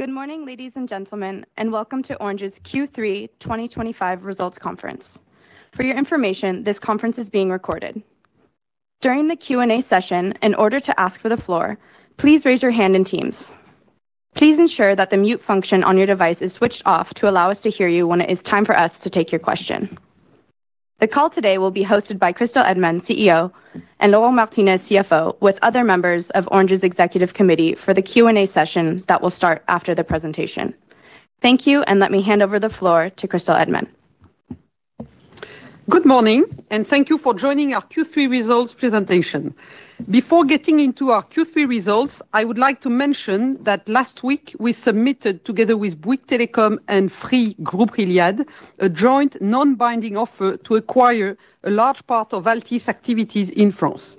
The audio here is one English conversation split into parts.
Good morning, ladies and gentlemen, and welcome to Orange's Q3 2025 results conference. For your information, this conference is being recorded. During the Q&A session, in order to ask for the floor, please raise your hand in Teams. Please ensure that the mute function on your device is switched off to allow us to hear you when it is time for us to take your question. The call today will be hosted by Christel Heydemann, CEO, and Laurent Martinez, CFO, with other members of Orange's executive committee for the Q&A session that will start after the presentation. Thank you, and let me hand over the floor to Christel Heydemann. Good morning, and thank you for joining our Q3 results presentation. Before getting into our Q3 results, I would like to mention that last week, we submitted, together with Bouygues Telecom and Free Group Iliad, a joint non-binding offer to acquire a large part of Altice activities in France.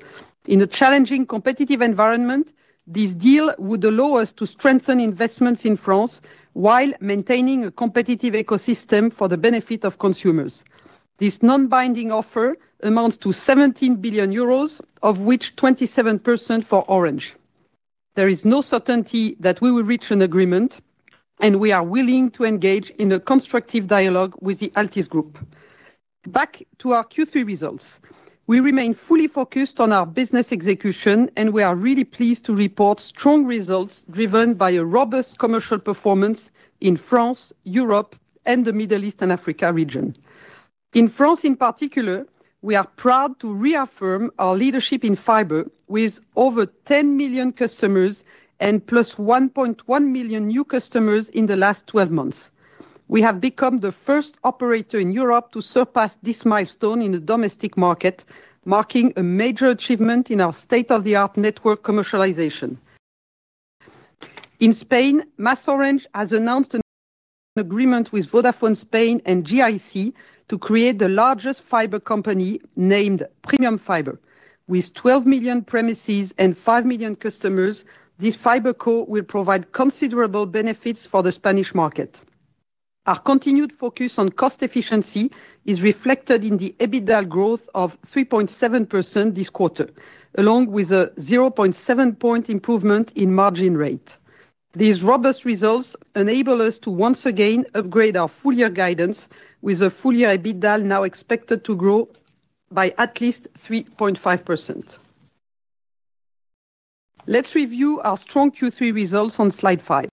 In a challenging competitive environment, this deal would allow us to strengthen investments in France while maintaining a competitive ecosystem for the benefit of consumers. This non-binding offer amounts to 17 billion euros, of which 27% for Orange. There is no certainty that we will reach an agreement, and we are willing to engage in a constructive dialogue with the Altice Group. Back to our Q3 results, we remain fully focused on our business execution, and we are really pleased to report strong results driven by a robust commercial performance in France, Europe, and the Middle East and Africa region. In France in particular, we are proud to reaffirm our leadership in fiber, with over 10 million customers and +1.1 million new customers in the last 12 months. We have become the first operator in Europe to surpass this milestone in the domestic market, marking a major achievement in our state-of-the-art network commercialization. In Spain, Orange and MásOrange have announced an agreement with Vodafone Spain and GIC to create the largest fiber company named Premium Fiber. With 12 million premises and 5 million customers, this fiber core will provide considerable benefits for the Spanish market. Our continued focus on cost efficiency is reflected in the EBITDA growth of 3.7% this quarter, along with a 0.7% point improvement in margin rate. These robust results enable us to once again upgrade our full-year guidance, with a full-year EBITDA now expected to grow by at least 3.5%. Let's review our strong Q3 results on slide five.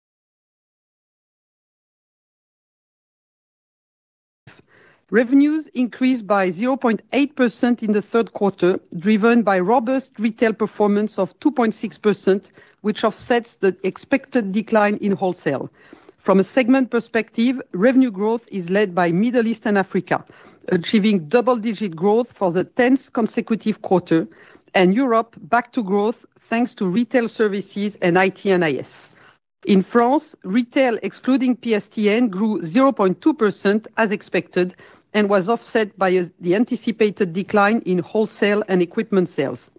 Revenues increased by 0.8% in the third quarter, driven by robust retail performance of 2.6%, which offsets the expected decline in wholesale. From a segment perspective, revenue growth is led by Middle East and Africa, achieving double-digit growth for the 10th consecutive quarter, and Europe back to growth thanks to retail services and IT and IS. In France, retail excluding PSTN grew 0.2% as expected and was offset by the anticipated decline in wholesale and equipment sales.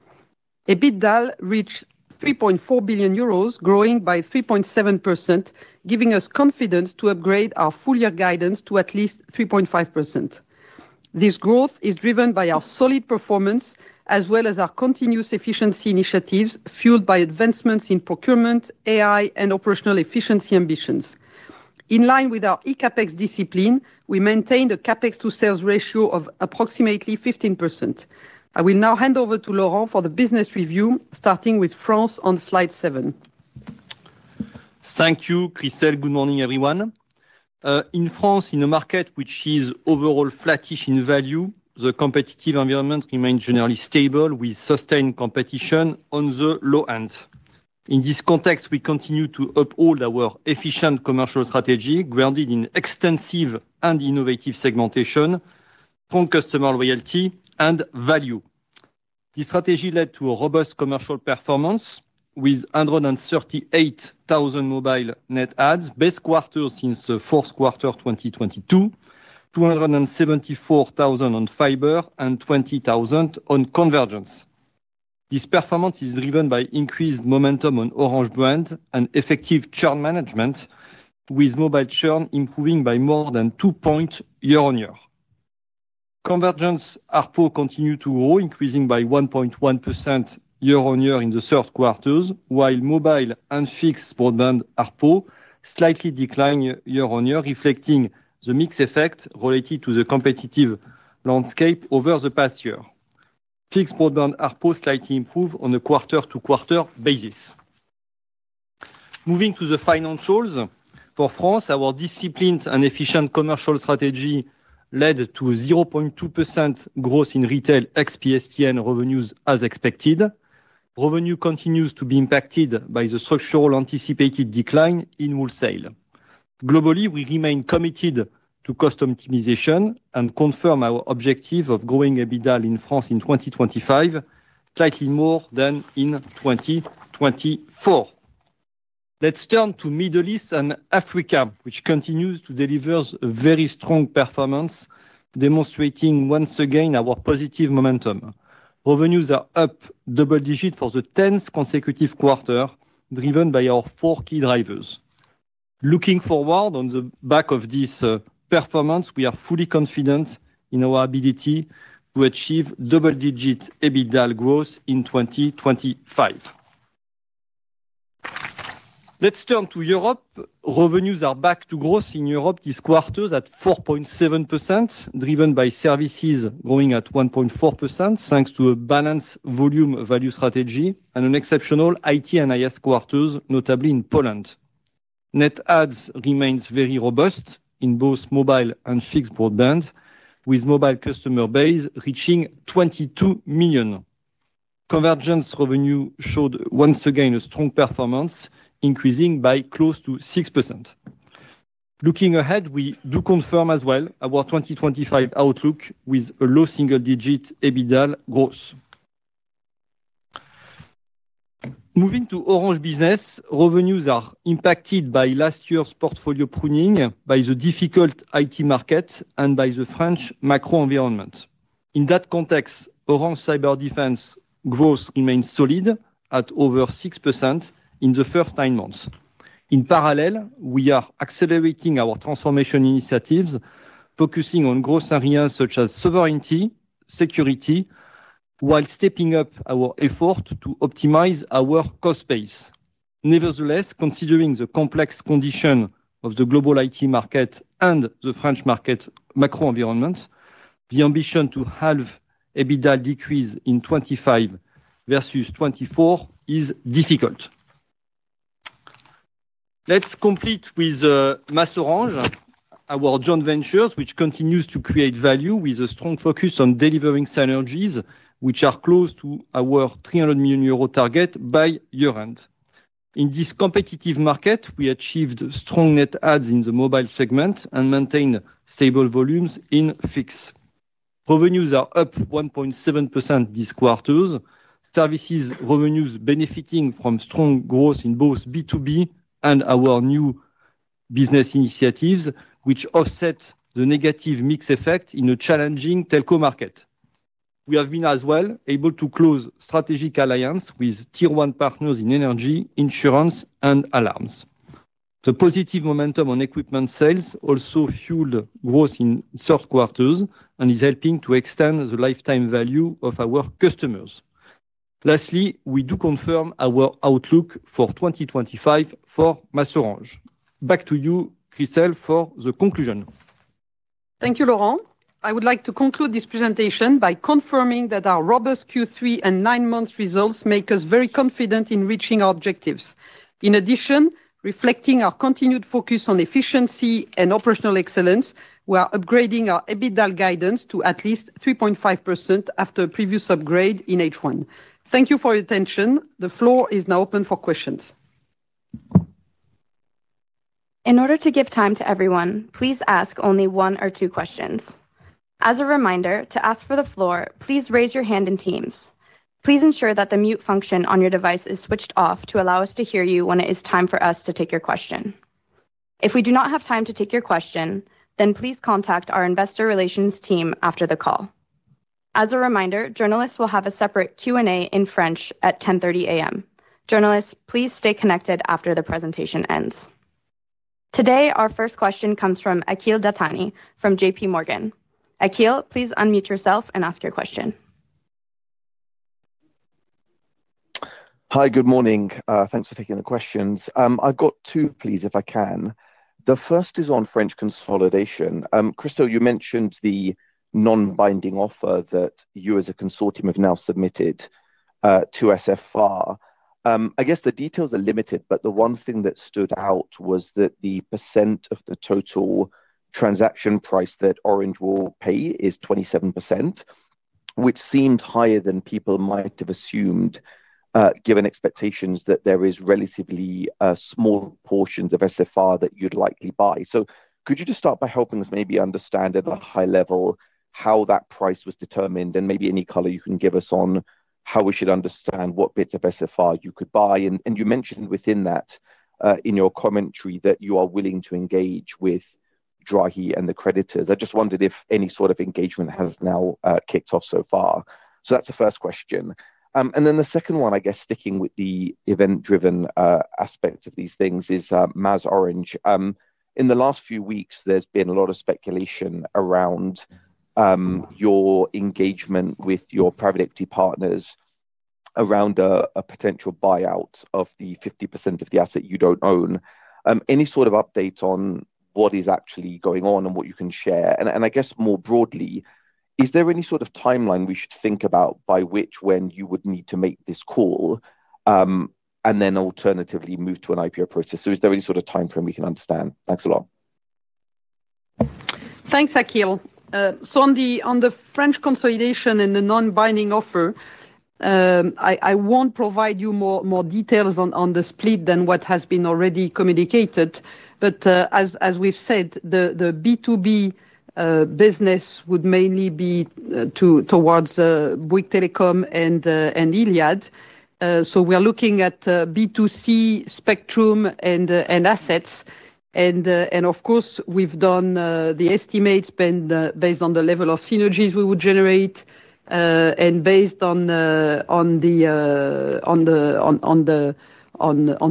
EBITDA reached 3.4 billion euros, growing by 3.7%, giving us confidence to upgrade our full-year guidance to at least 3.5%. This growth is driven by our solid performance, as well as our continuous efficiency initiatives fueled by advancements in procurement, AI, and operational efficiency ambitions. In line with our eCapEx discipline, we maintain a CapEx to sales ratio of approximately 15%. I will now hand over to Laurent for the business review, starting with France on slide seven. Thank you, Christel. Good morning, everyone. In France, in a market which is overall flattish in value, the competitive environment remains generally stable, with sustained competition on the low end. In this context, we continue to uphold our efficient commercial strategy, grounded in extensive and innovative segmentation, strong customer loyalty, and value. This strategy led to a robust commercial performance, with 138,000 mobile net adds per quarter since the fourth quarter of 2022, 274,000 on fiber, and 20,000 on convergence. This performance is driven by increased momentum on Orange brand and effective churn management, with mobile churn improving by more than two points year-on-year. Convergence ARPU continued to grow, increasing by 1.1% year-on-year in the third quarter, while mobile and fixed broadband ARPU slightly declined year-on-year, reflecting the mixed effect related to the competitive landscape over the past year. Fixed broadband ARPU slightly improved on a quarter-to-quarter basis. Moving to the financials, for France, our disciplined and efficient commercial strategy led to 0.2% growth in retail ex-PSTN revenues as expected. Revenue continues to be impacted by the structural anticipated decline in wholesale. Globally, we remain committed to cost optimization and confirm our objective of growing EBITDA in France in 2025, slightly more than in 2024. Let's turn to Middle East and Africa, which continue to deliver a very strong performance, demonstrating once again our positive momentum. Revenues are up double-digit for the 10th consecutive quarter, driven by our four key drivers. Looking forward, on the back of this performance, we are fully confident in our ability to achieve double-digit EBITDA growth in 2025. Let's turn to Europe. Revenues are back to growth in Europe this quarter at 4.7%, driven by services growing at 1.4%, thanks to a balanced volume value strategy and an exceptional IT and IS quarter, notably in Poland. Net adds remain very robust in both mobile and fixed broadband, with mobile customer base reaching 22 million. Convergence revenue showed once again a strong performance, increasing by close to 6%. Looking ahead, we do confirm as well our 2025 outlook with a low single-digit EBITDA growth. Moving to Orange Business, revenues are impacted by last year's portfolio pruning, by the difficult IT market, and by the French macro environment. In that context, Orange's cyber defense growth remains solid at over 6% in the first nine months. In parallel, we are accelerating our transformation initiatives, focusing on growth areas such as sovereignty and security, while stepping up our efforts to optimize our cost base. Nevertheless, considering the complex condition of the global IT market and the French market macro environment, the ambition to have EBITDA decrease in 2025 versus 2024 is difficult. Let's complete with MásMóvil Orange, our joint venture, which continues to create value with a strong focus on delivering synergies, which are close to our 300 million euro target by year end. In this competitive market, we achieved strong net adds in the mobile segment and maintained stable volumes in fixed. Revenues are up 1.7% this quarter. Services revenues benefit from strong growth in both B2B and our new business initiatives, which offset the negative mix effect in a challenging telco market. We have been as well able to close strategic alliances with tier 1 partners in energy, insurance, and alarms. The positive momentum on equipment sales also fueled growth in the third quarter and is helping to extend the lifetime value of our customers. Lastly, we do confirm our outlook for 2025 for MásOrange. Back to you, Christel, for the conclusion. Thank you, Laurent. I would like to conclude this presentation by confirming that our robust Q3 and nine month results make us very confident in reaching our objectives. In addition, reflecting our continued focus on efficiency and operational excellence, we are upgrading our EBITDA guidance to at least 3.5% after a previous upgrade in H1. Thank you for your attention. The floor is now open for questions. In order to give time to everyone, please ask only one or two questions. As a reminder, to ask for the floor, please raise your hand in Teams. Please ensure that the mute function on your device is switched off to allow us to hear you when it is time for us to take your question. If we do not have time to take your question, then please contact our investor relations team after the call. As a reminder, journalists will have a separate Q&A in French at 10:30 A.M. Journalists, please stay connected after the presentation ends. Today, our first question comes from Akhil Dattani from JPMorgan. Akhil, please unmute yourself and ask your question. Hi, good morning. Thanks for taking the questions. I've got two, please, if I can. The first is on French consolidation. Christel, you mentioned the non-binding offer that you as a consortium have now submitted to SFR. I guess the details are limited, but the one thing that stood out was that the percent of the total transaction price that Orange will pay is 27%, which seemed higher than people might have assumed, given expectations that there are relatively small portions of SFR that you'd likely buy. Could you just start by helping us maybe understand at a high level how that price was determined and maybe any color you can give us on how we should understand what bits of SFR you could buy? You mentioned within that in your commentary that you are willing to engage with Drahi and the creditors. I just wondered if any sort of engagement has now kicked off so far. That's the first question. The second one, I guess, sticking with the event-driven aspect of these things, is MásOrange. In the last few weeks, there's been a lot of speculation around your engagement with your private equity partners around a potential buyout of the 50% of the asset you don't own. Any sort of update on what is actually going on and what you can share? I guess more broadly, is there any sort of timeline we should think about by which when you would need to make this call and then alternatively move to an IPO process? Is there any sort of timeframe we can understand? Thanks a lot. Thanks, Akhil. On the French consolidation and the non-binding offer, I won't provide you more details on the split than what has been already communicated. As we've said, the B2B business would mainly be towards Bouygues Telecom and Iliad. We're looking at B2C spectrum and assets. We've done the estimates based on the level of synergies we would generate and based on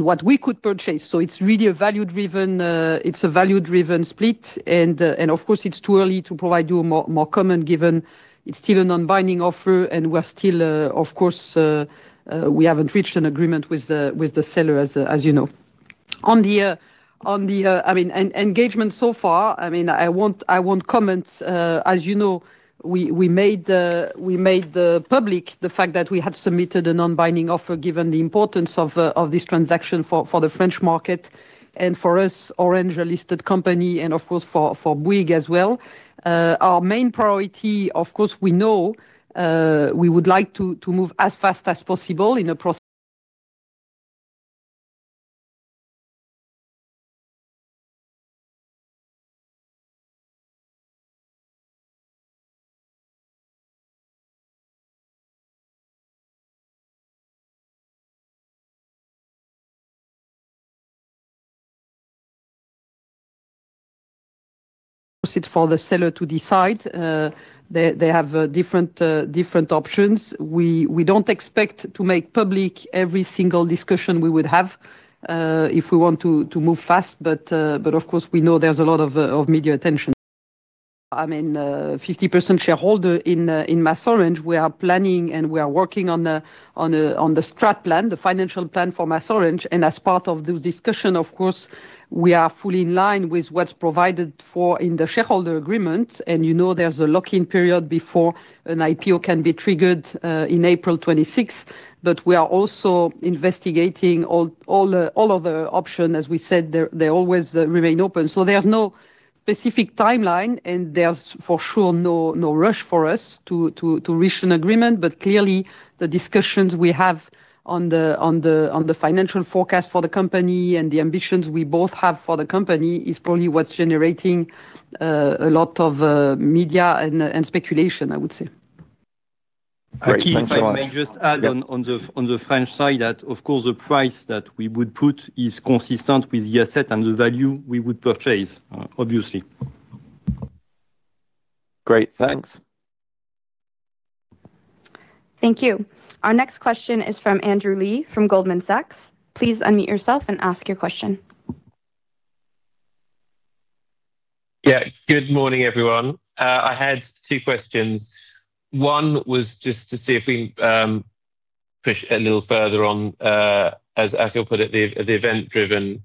what we could purchase. It's really a value-driven split. It's too early to provide you more comment given it's still a non-binding offer and we haven't reached an agreement with the seller, as you know. On the engagement so far, I won't comment. As you know, we made public the fact that we had submitted a non-binding offer given the importance of this transaction for the French market and for us, Orange, a listed company, and for Bouygues as well. Our main priority, we know we would like to move as fast as possible in a process for the seller to decide. They have different options. We don't expect to make public every single discussion we would have if we want to move fast. We know there's a lot of media attention. I mean, 50% shareholder in MásOrange, we are planning and we are working on the strat plan, the financial plan for MásOrange. As part of this discussion, we are fully in line with what's provided in the shareholder agreement. There's a lock-in period before an IPO can be triggered in April 2026. We are also investigating all other options. As we said, they always remain open. There's no specific timeline and there's for sure no rush for us to reach an agreement. Clearly, the discussions we have on the financial forecast for the company and the ambitions we both have for the company is probably what's generating a lot of media and speculation, I would say. I think just to add on the French side that, of course, the price that we would put is consistent with the asset and the value we would purchase, obviously. Great, thanks. Thank you. Our next question is from Andrew Lee from Goldman Sachs. Please unmute yourself and ask your question. Yeah, good morning, everyone. I had two questions. One was just to see if we can push a little further on, as Akhil put it, the event-driven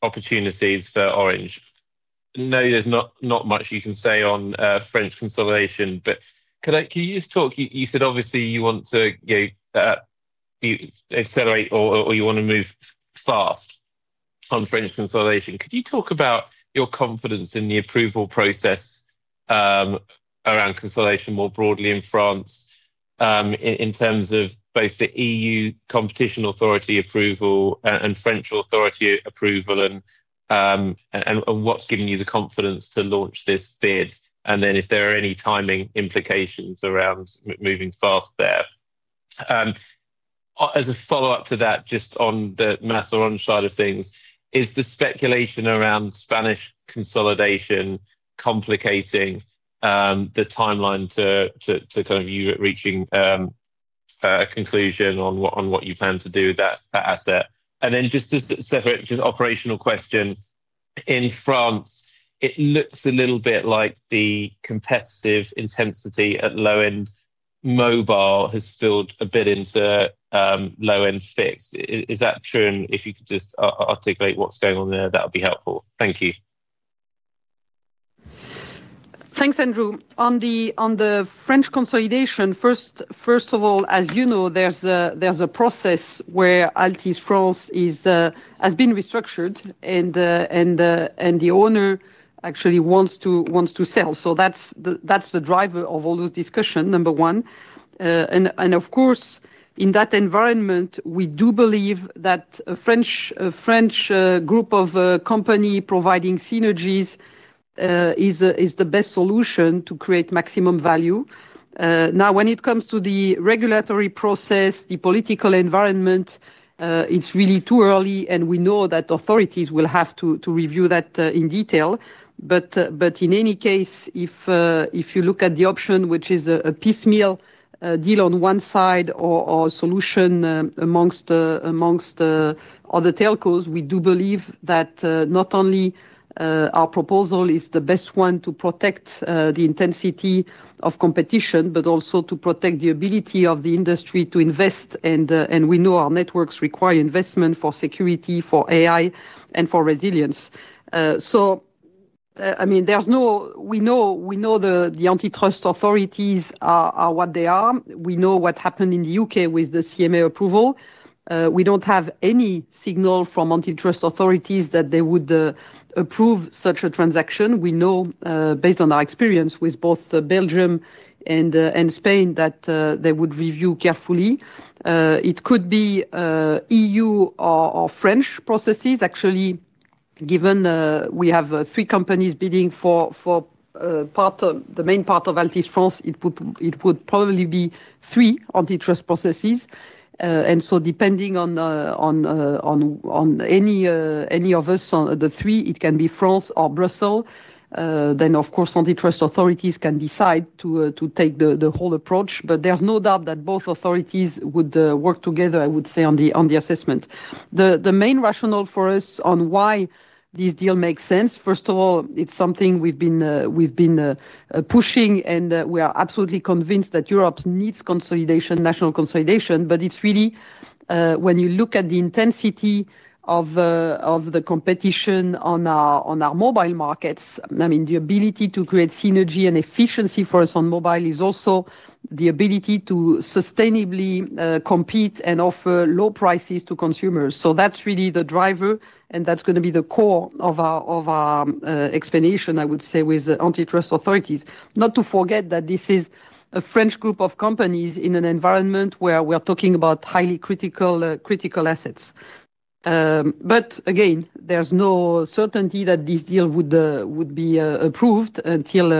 opportunities for Orange. There's not much you can say on French consolidation. Could you just talk? You said obviously you want to accelerate or you want to move fast on French consolidation. Could you talk about your confidence in the approval process around consolidation more broadly in France in terms of both the EU competition authority approval and French authority approval and what's given you the confidence to launch this bid? If there are any timing implications around moving fast there. As a follow-up to that, just on the MásOrange side of things, is the speculation around Spanish consolidation complicating the timeline to kind of you reaching a conclusion on what you plan to do with that asset? A separate operational question. In France, it looks a little bit like the competitive intensity at low-end mobile has spilled a bit into low-end fixed. Is that true? If you could just articulate what's going on there, that would be helpful. Thank you. Thanks, Andrew. On the French consolidation, first of all, as you know, there's a process where Altice France has been restructured and the owner actually wants to sell. That's the driver of all those discussions, number one. Of course, in that environment, we do believe that a French group of companies providing synergies is the best solution to create maximum value. Now, when it comes to the regulatory process, the political environment, it's really too early and we know that authorities will have to review that in detail. In any case, if you look at the option, which is a piecemeal deal on one side or a solution amongst other telcos, we do believe that not only our proposal is the best one to protect the intensity of competition, but also to protect the ability of the industry to invest. We know our networks require investment for security, for AI, and for resilience. We know the antitrust authorities are what they are. We know what happened in the U.K. with the CMA approval. We don't have any signal from antitrust authorities that they would approve such a transaction. We know, based on our experience with both Belgium and Spain, that they would review carefully. It could be EU or French processes. Actually, given we have three companies bidding for the main part of Altice France, it would probably be three antitrust processes. Depending on any of us, the three, it can be France or Brussels. Of course, antitrust authorities can decide to take the whole approach. There's no doubt that both authorities would work together, I would say, on the assessment. The main rationale for us on why this deal makes sense, first of all, it's something we've been pushing and we are absolutely convinced that Europe needs consolidation, national consolidation. When you look at the intensity of the competition on our mobile markets, the ability to create synergy and efficiency for us on mobile is also the ability to sustainably compete and offer low prices to consumers. That's really the driver and that's going to be the core of our explanation, I would say, with antitrust authorities. Not to forget that this is a French group of companies in an environment where we're talking about highly critical assets. Again, there's no certainty that this deal would be approved until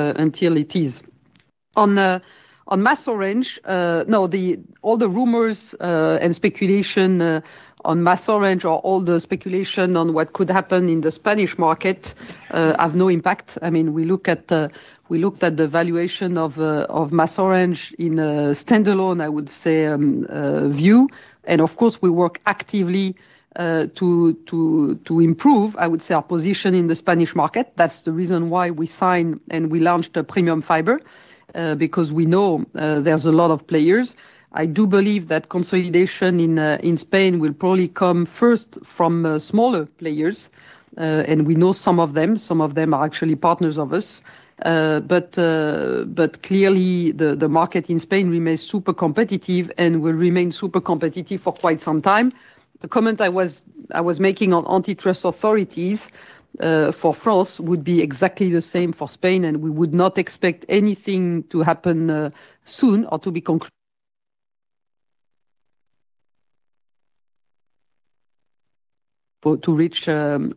it is. On MásOrange, no, all the rumors and speculation on MásOrange or all the speculation on what could happen in the Spanish market have no impact. I mean, we looked at the valuation of MásOrange in a standalone, I would say, view. Of course, we work actively to improve, I would say, our position in the Spanish market. That's the reason why we signed and we launched Premium Fiber, because we know there's a lot of players. I do believe that consolidation in Spain will probably come first from smaller players. We know some of them. Some of them are actually partners of us. Clearly, the market in Spain remains super competitive and will remain super competitive for quite some time. The comment I was making on antitrust authorities for France would be exactly the same for Spain. We would not expect anything to happen soon or to be concluded to reach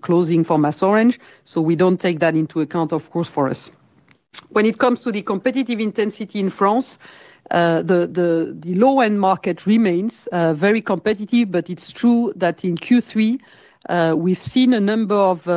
closing for MásOrange. We don't take that into account, of course, for us. When it comes to the competitive intensity in France, the low-end market remains very competitive. It's true that in Q3, we've seen a number of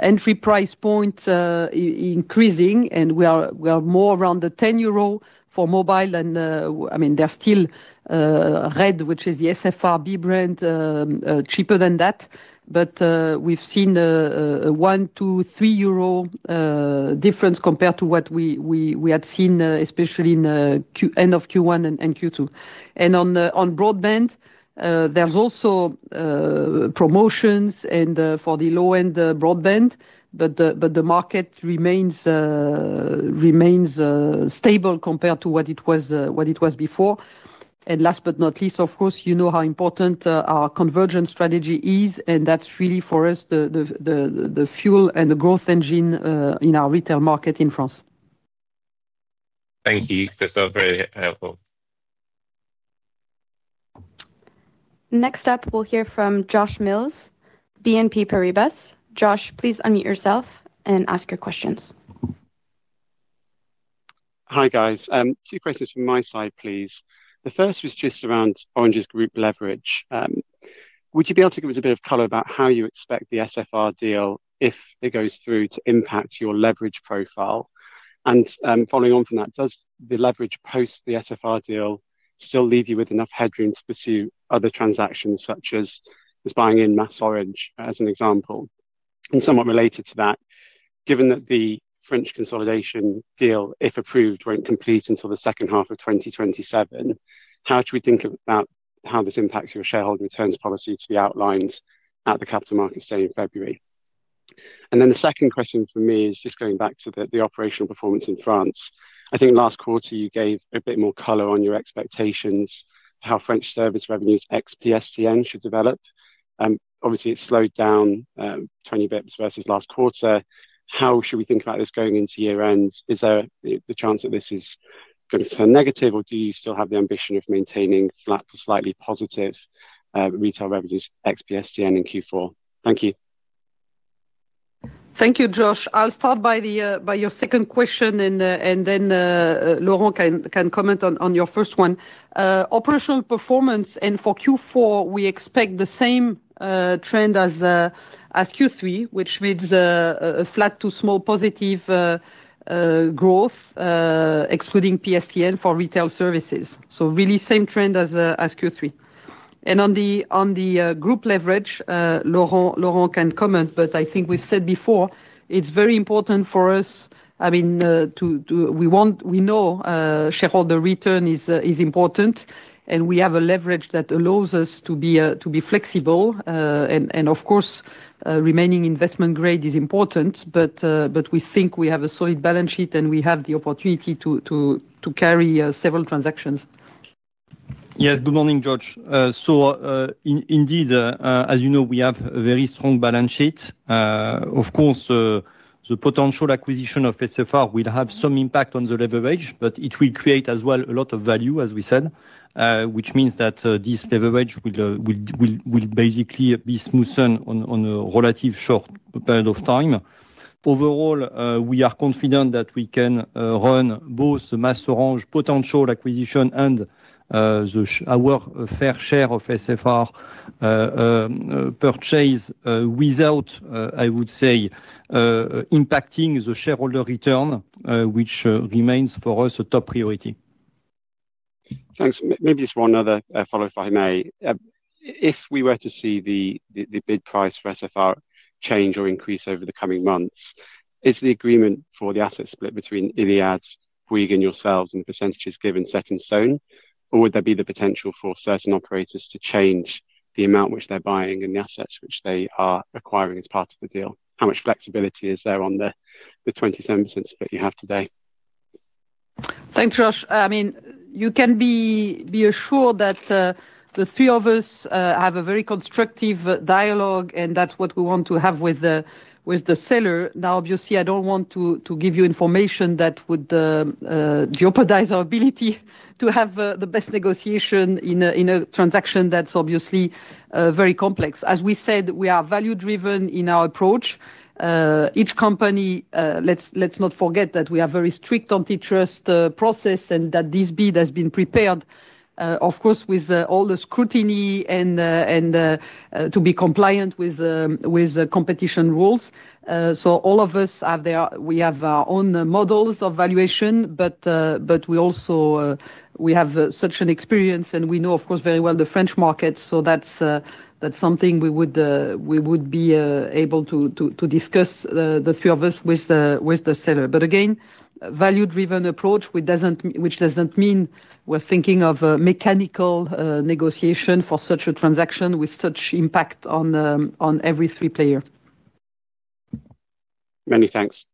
entry price points increasing. We are more around the 10 euro for mobile. There's still Red, which is the SFR brand, cheaper than that. We've seen a 1, 2, 3 euro difference compared to what we had seen, especially in the end of Q1 and Q2. On broadband, there's also promotions for the low-end broadband, but the market remains stable compared to what it was before. Last but not least, you know how important our convergence strategy is. That's really for us the fuel and the growth engine in our retail market in France. Thank you, Christel. Very helpful. Next up, we'll hear from Josh Mills, BNP Paribas. Josh, please unmute yourself and ask your questions. Hi, guys. Two questions from my side, please. The first was just around Orange's group leverage. Would you be able to give us a bit of color about how you expect the SFR deal, if it goes through, to impact your leverage profile? Following on from that, does the leverage post the SFR deal still leave you with enough headroom to pursue other transactions, such as buying in MásOrange, as an example? Somewhat related to that, given that the French consolidation deal, if approved, won't complete until the second half of 2027, how do we think about how this impacts your shareholder returns policy to be outlined at the Capital Markets Day in February? The second question for me is just going back to the operational performance in France. I think last quarter you gave a bit more color on your expectations for how French service revenues ex-PSTN should develop. Obviously, it slowed down 20 bps versus last quarter. How should we think about this going into year end? Is there the chance that this is going to turn negative or do you still have the ambition of maintaining flat to slightly positive retail revenues ex-PSTN in Q4? Thank you. Thank you, Josh. I'll start by your second question and then Laurent can comment on your first one. Operational performance and for Q4, we expect the same trend as Q3, which means flat to small positive growth, excluding PSTN for retail services. Really, same trend as Q3. On the group leverage, Laurent can comment. I think we've said before, it's very important for us. We know shareholder return is important and we have a leverage that allows us to be flexible. Of course, remaining investment grade is important. We think we have a solid balance sheet and we have the opportunity to carry several transactions. Yes, good morning, Georgios. Indeed, as you know, we have a very strong balance sheet. Of course, the potential acquisition of SFR will have some impact on the leverage, but it will create as well a lot of value, as we said, which means that this leverage will basically be smoothed on a relatively short period of time. Overall, we are confident that we can run both the MásOrange potential acquisition and our fair share of SFR purchase without, I would say, impacting the shareholder return, which remains for us a top priority. Thanks. Maybe just one other follow-up, if I may. If we were to see the bid price for SFR change or increase over the coming months, is the agreement for the asset split between Iliad, Bouygues, and yourselves and the percentages given set in stone? Would there be the potential for certain operators to change the amount which they're buying and the assets which they are acquiring as part of the deal? How much flexibility is there on the 27% split you have today? Thanks, Josh. You can be assured that the three of us have a very constructive dialogue and that's what we want to have with the seller. Obviously, I don't want to give you information that would jeopardize our ability to have the best negotiation in a transaction that's obviously very complex. As we said, we are value-driven in our approach. Each company, let's not forget that we have a very strict antitrust process and that this bid has been prepared, of course, with all the scrutiny and to be compliant with competition rules. All of us have our own models of valuation, but we also have such an experience and we know, of course, very well the French market. That's something we would be able to discuss, the three of us, with the seller. Again, a value-driven approach, which doesn't mean we're thinking of a mechanical negotiation for such a transaction with such impact on every three players. Many thanks.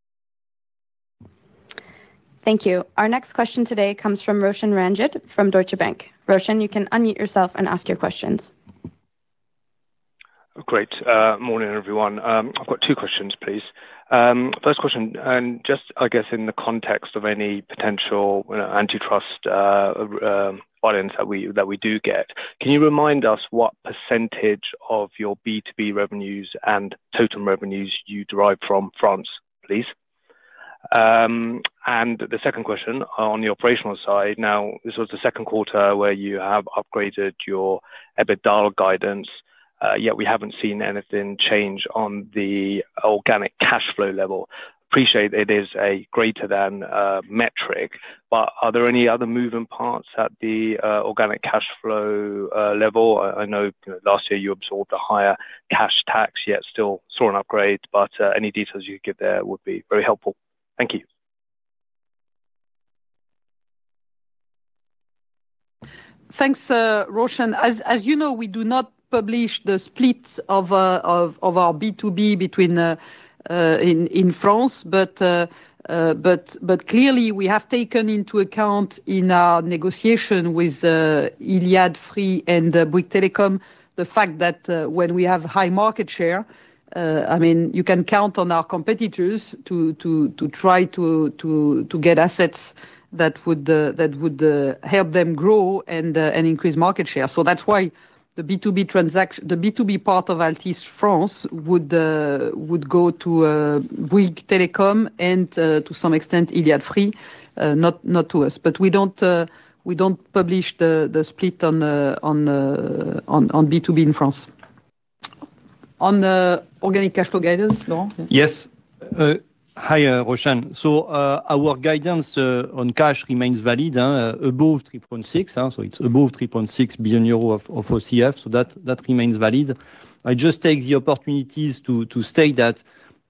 Thank you. Our next question today comes from Roshan Ranjit from Deutsche Bank. Roshan, you can unmute yourself and ask your questions. Great. Morning, everyone. I've got two questions, please. First question, just I guess in the context of any potential antitrust audience that we do get, can you remind us what percentage of your B2B revenues and total revenues you derive from France, please? The second question on the operational side. This was the second quarter where you have upgraded your EBITDA guidance, yet we haven't seen anything change on the organic cash flow level. Appreciate it is a greater than metric, but are there any other moving parts at the organic cash flow level? I know last year you absorbed a higher cash tax, yet still saw an upgrade, but any details you could give there would be very helpful. Thank you. Thanks, Roshan. As you know, we do not publish the splits of our B2B between in France, but clearly, we have taken into account in our negotiation with Iliad Free and Bouygues Telecom the fact that when we have high market share, you can count on our competitors to try to get assets that would help them grow and increase market share. That's why the B2B part of Altice France would go to Bouygues Telecom and to some extent Iliad Free, not to us. We don't publish the split on B2B in France. On organic cash flow guidance, Laurent? Yes. Hi, Roshan. Our guidance on cash remains valid above 3.6 billion euro of OCF. That remains valid. I just take the opportunity to state that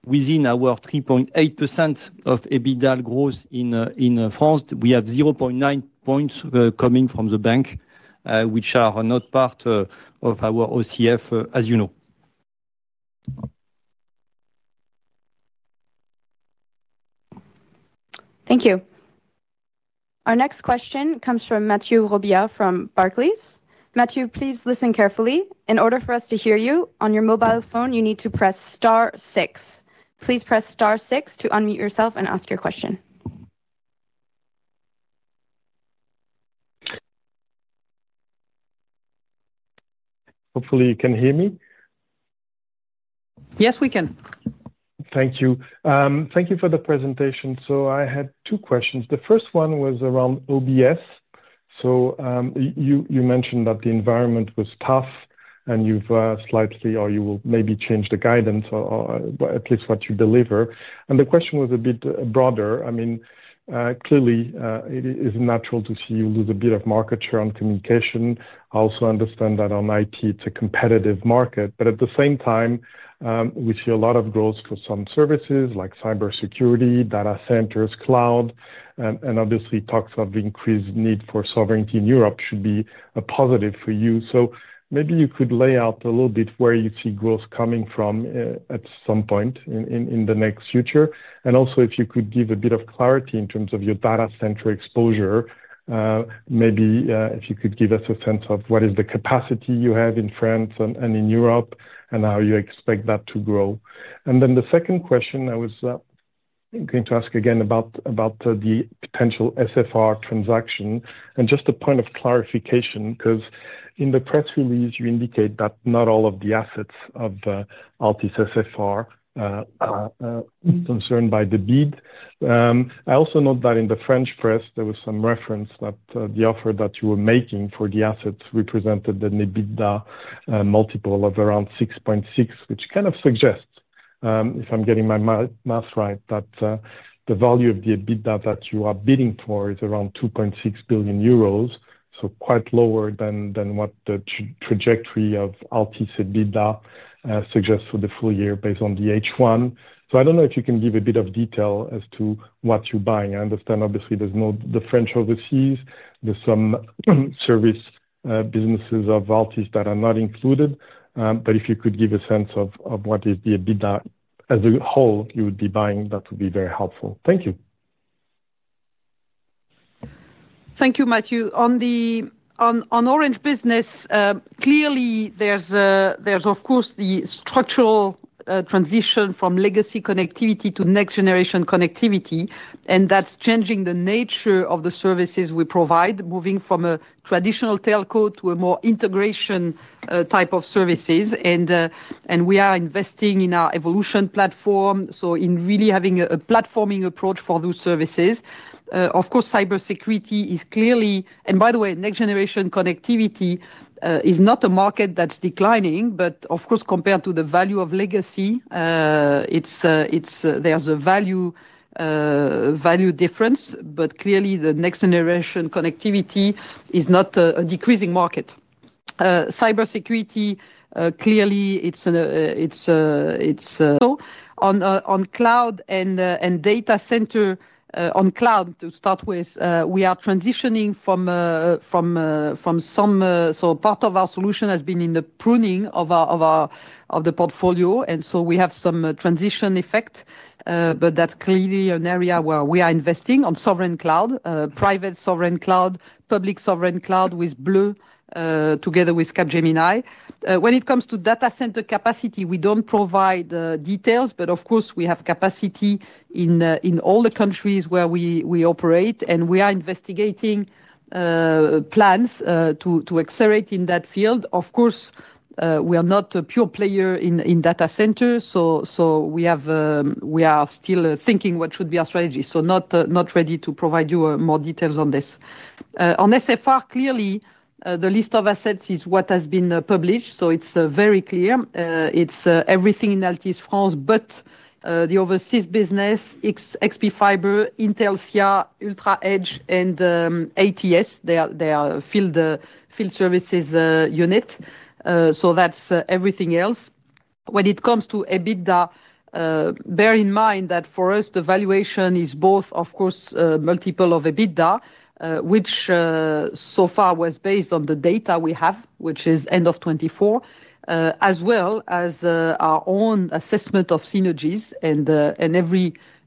within our 3.8% of EBITDA growth in France, we have 0.9 points coming from the bank, which are not part of our OCF, as you know. Thank you. Our next question comes from Mathieu Robilliard from Barclays. Mathieu, please listen carefully. In order for us to hear you, on your mobile phone, you need to press star six. Please press star six to unmute yourself and ask your question. Hopefully, you can hear me? Yes, we can. Thank you. Thank you for the presentation. I had two questions. The first one was around OBS. You mentioned that the environment was tough and you have slightly, or you will maybe change the guidance or at least what you deliver. The question was a bit broader. Clearly, it is natural to see you lose a bit of market share on communication. I also understand that on IT, it's a competitive market. At the same time, we see a lot of growth for some services like cybersecurity, data centers, cloud, and obviously talks of increased need for sovereignty in Europe should be a positive for you. Maybe you could lay out a little bit where you see growth coming from at some point in the next future. Also, if you could give a bit of clarity in terms of your data center exposure, maybe if you could give us a sense of what is the capacity you have in France and in Europe and how you expect that to grow. The second question, I was going to ask again about the potential SFR transaction. Just a point of clarification, because in the press release, you indicate that not all of the assets of Altice SFR are concerned by the bid. I also note that in the French press, there was some reference that the offer that you were making for the assets represented an EBITDA multiple of around 6.6, which kind of suggests, if I'm getting my math right, that the value of the EBITDA that you are bidding for is around 2.6 billion euros. Quite lower than what the trajectory of Altice EBITDA suggests for the full year based on the H1. I don't know if you can give a bit of detail as to what you're buying. I understand, obviously, there's no French overseas. There's some service businesses of Altice France that are not included. If you could give a sense of what is the EBITDA as a whole you would be buying, that would be very helpful. Thank you. Thank you, Mathieu. On the Orange business, clearly, there's, of course, the structural transition from legacy connectivity to next-generation connectivity. That's changing the nature of the services we provide, moving from a traditional telco to a more integration type of services. We are investing in our evolution platform, in really having a platforming approach for those services. Of course, cybersecurity is clearly, and by the way, next-generation connectivity is not a market that's declining. Of course, compared to the value of legacy, there's a value difference. Clearly, the next-generation connectivity is not a decreasing market. Cybersecurity, clearly, it's. Also, on cloud and data center, on cloud to start with, we are transitioning from some, so part of our solution has been in the pruning of the portfolio. We have some transition effect. That's clearly an area where we are investing on sovereign cloud, private sovereign cloud, public sovereign cloud with Blue together with Capgemini. When it comes to data center capacity, we don't provide details. We have capacity in all the countries where we operate, and we are investigating plans to accelerate in that field. We are not a pure player in data centers, so we are still thinking what should be our strategy. Not ready to provide you more details on this. On SFR, clearly, the list of assets is what has been published. It's very clear. It's everything in Altice France but the overseas business, XP Fiber, Intelsia, UltraEdge, and ATS, their field services unit. That's everything else. When it comes to EBITDA, bear in mind that for us, the valuation is both, of course, a multiple of EBITDA, which so far was based on the data we have, which is end of 2024, as well as our own assessment of synergies.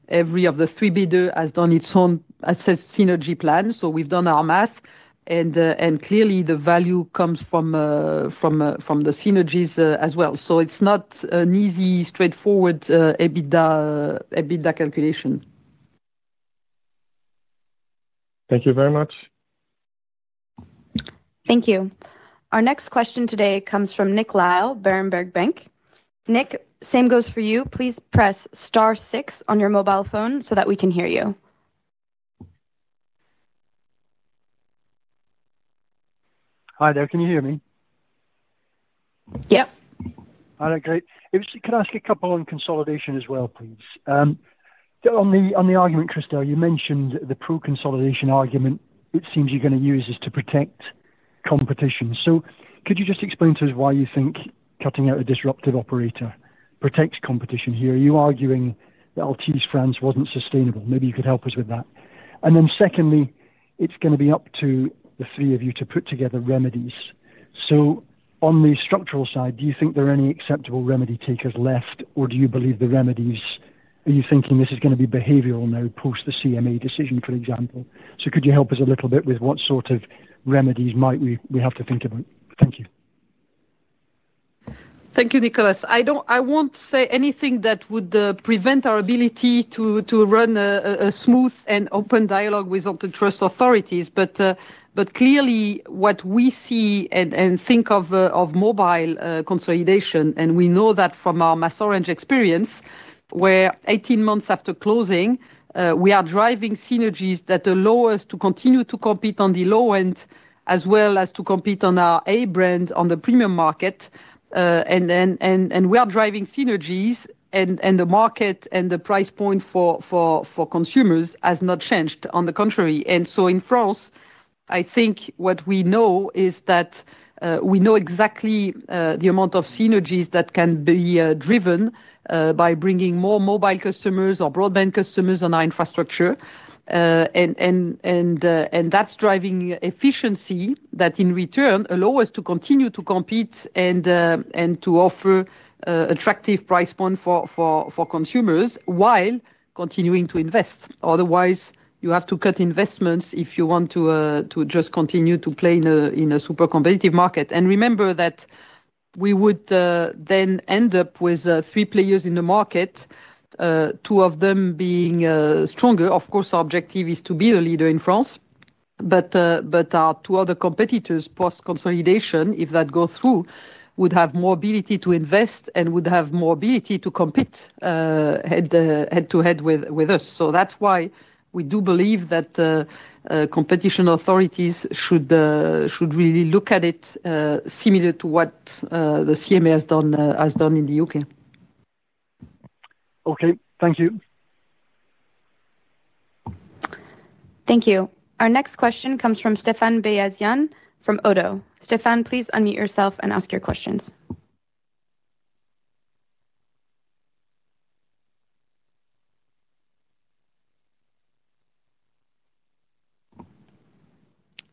Every of the three bidders has done its own assessed synergy plan. We've done our math, and clearly, the value comes from the synergies as well. It's not an easy, straightforward EBITDA calculation. Thank you very much. Thank you. Our next question today comes from Nick Lyall, Berenberg Bank. Nick, same goes for you. Please press star six on your mobile phone so that we can hear you. Hi there, can you hear me? Yes. All right, great. If you could ask a couple on consolidation as well, please. On the argument, Christel, you mentioned the pro-consolidation argument it seems you're going to use is to protect competition. Could you just explain to us why you think cutting out a disruptive operator protects competition here? Are you arguing that Altice France wasn't sustainable? Maybe you could help us with that. Secondly, it's going to be up to the three of you to put together remedies. On the structural side, do you think there are any acceptable remedy takers left or do you believe the remedies, are you thinking this is going to be behavioral now post the CMA decision, for example? Could you help us a little bit with what sort of remedies might we have to think about? Thank you. Thank you, Nick. I won't say anything that would prevent our ability to run a smooth and open dialogue with antitrust authorities. Clearly, what we see and think of mobile consolidation, and we know that from our MásOrange experience, where 18 months after closing, we are driving synergies that allow us to continue to compete on the low end as well as to compete on our A brand on the premium market. We are driving synergies and the market and the price point for consumers has not changed, on the contrary. In France, I think what we know is that we know exactly the amount of synergies that can be driven by bringing more mobile customers or broadband customers on our infrastructure. That's driving efficiency that in return allows us to continue to compete and to offer attractive price points for consumers while continuing to invest. Otherwise, you have to cut investments if you want to just continue to play in a super competitive market. Remember that we would then end up with three players in the market, two of them being stronger. Of course, our objective is to be the leader in France. Our two other competitors post-consolidation, if that goes through, would have more ability to invest and would have more ability to compete head-to-head with us. That is why we do believe that competition authorities should really look at it similar to what the CMA has done in the U.K. Okay, thank you. Thank you. Our next question comes from Stéphane Beyazian from ODDO. Stéphane, please unmute yourself and ask your questions.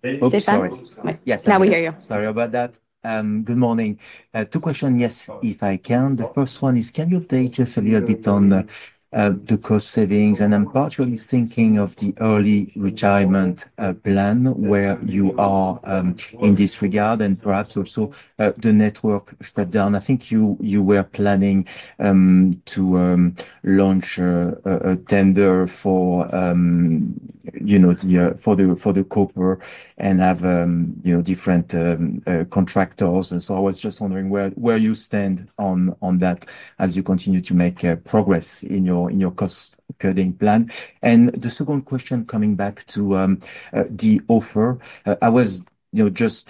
Okay, now we hear you. Sorry about that. Good morning. Two questions, yes, if I can. The first one is, can you update us a little bit on the cost savings? I'm partially thinking of the early retirement plan, where you are in this regard, and perhaps also the network shutdown. I think you were planning to launch a tender for the copper and have different contractors. I was just wondering where you stand on that as you continue to make progress in your cost cutting plan. The second question, coming back to the offer, I was just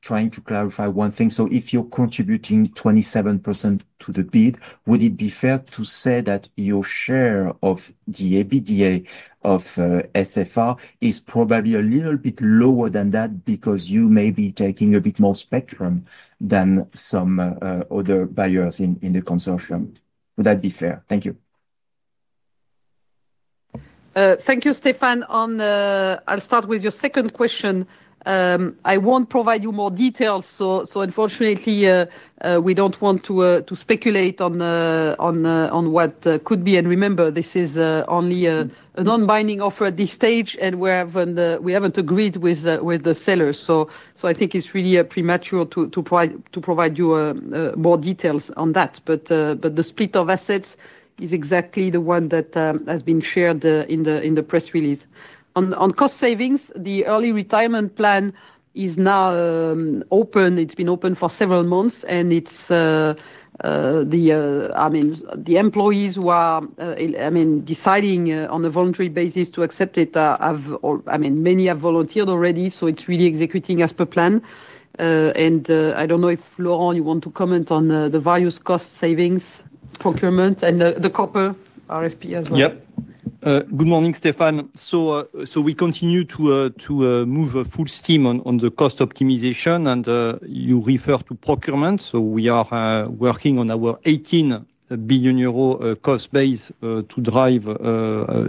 trying to clarify one thing. If you're contributing 27% to the bid, would it be fair to say that your share of the EBITDA of SFR is probably a little bit lower than that because you may be taking a bit more spectrum than some other buyers in the consortium? Would that be fair? Thank you. Thank you, Stéphane. I'll start with your second question. I won't provide you more details. Unfortunately, we don't want to speculate on what could be. Remember, this is only a non-binding offer at this stage and we haven't agreed with the sellers. I think it's really premature to provide you more details on that. The split of assets is exactly the one that has been shared in the press release. On cost savings, the early retirement plan is now open. It's been open for several months. The employees who are deciding on a voluntary basis to accept it, many have volunteered already. It's really executing as per plan. I don't know if Laurent, you want to comment on the various cost savings, procurement, and the copper RFP as well. Good morning, Stéphane. We continue to move full steam on the cost optimization, and you refer to procurement. We are working on our 18 billion euro cost base to drive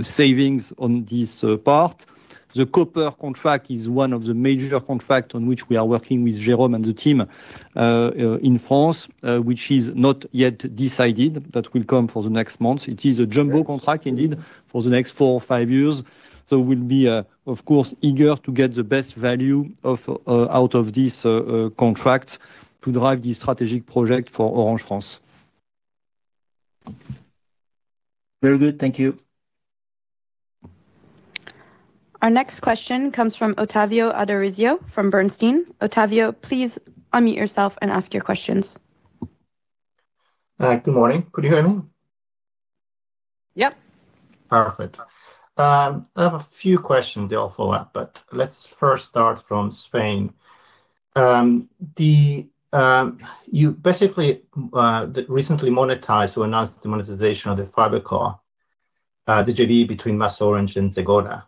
savings on this part. The copper contract is one of the major contracts on which we are working with Jérôme and the team in France, which is not yet decided. That will come for the next month. It is a jumbo contract indeed for the next four or five years. We will be, of course, eager to get the best value out of this contract to drive the strategic project for Orange France. Very good, thank you. Our next question comes from Otavio Adorisio from Bernstein. Otavio, please unmute yourself and ask your questions. Good morning. Could you hear me? Yep. Perfect. I have a few questions there for that, but let's first start from Spain. You basically recently monetized or announced the monetization of the fiber core, the JV between MásOrange and Zegona.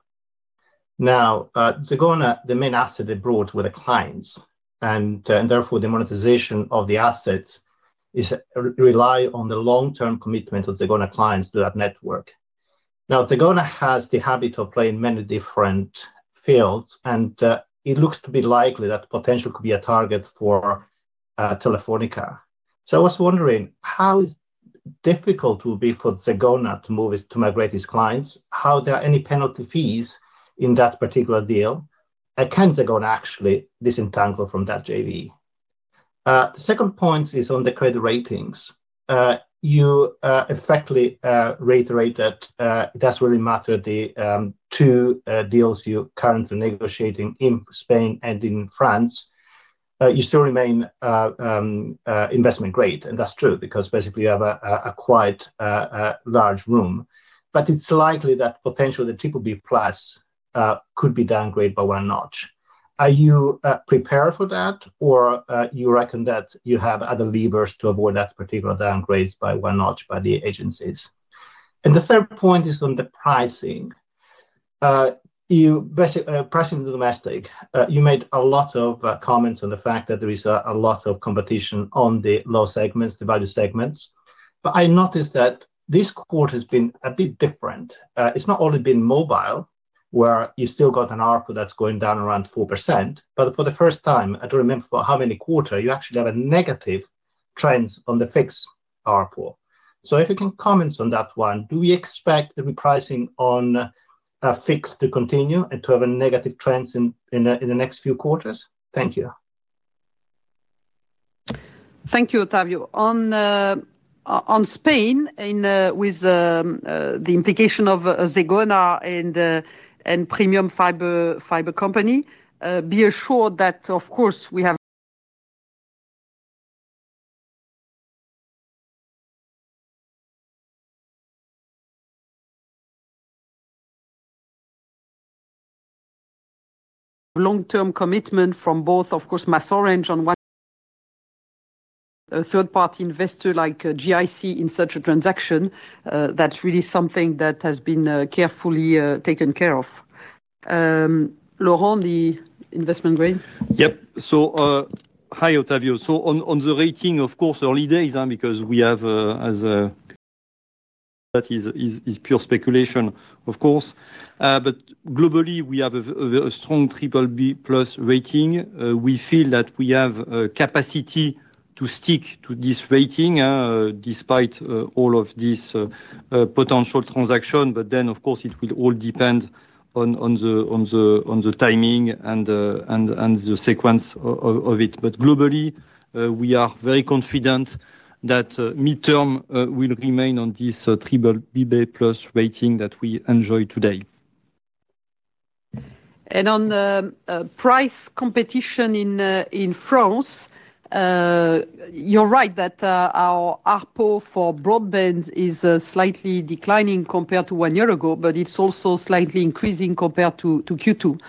Now, Zegona, the main asset they brought were the clients. Therefore, the monetization of the assets relied on the long-term commitment of Zegona clients to that network. Zegona has the habit of playing many different fields. It looks to be likely that the potential could be a target for Telefónica. I was wondering how difficult it will be for Zegona to move to migrate these clients, if there are any penalty fees in that particular deal, and can Zegona actually disentangle from that JV? The second point is on the credit ratings. You effectively reiterate that it doesn't really matter the two deals you're currently negotiating in Spain and in France. You still remain investment grade. That's true because basically you have quite large room. It's likely that potentially the BBB+ could be downgraded by one notch. Are you prepared for that or do you reckon that you have other levers to avoid that particular downgrade by one notch by the agencies? The third point is on the pricing. Pricing is domestic. You made a lot of comments on the fact that there is a lot of competition on the low segments, the value segments. I noticed that this quarter has been a bit different. It's not only been mobile where you've still got an ARPU that's going down around 4%. For the first time, I don't remember for how many quarters, you actually have a negative trend on the fixed ARPU. If you can comment on that one, do we expect the repricing on fixed to continue and to have a negative trend in the next few quarters? Thank you. Thank you, Otavio. On Spain, with the implication of Zegona and Premium Fiber, be assured that, of course, we have long-term commitment from both, of course, MásOrange, and a third-party investor like GIC in such a transaction. That's really something that has been carefully taken care of. Laurent, the investment grade? Hi, Otavio. On the rating, of course, early days, because we have as a... That is pure speculation, of course. Globally, we have a strong BBB+ rating. We feel that we have capacity to stick to this rating despite all of these potential transactions. It will all depend on the timing and the sequence of it. Globally, we are very confident that midterm will remain on this BBB+ rating that we enjoy today. On price competition in France, you're right that our ARPU for broadband is slightly declining compared to one year ago, but it's also slightly increasing compared to Q2.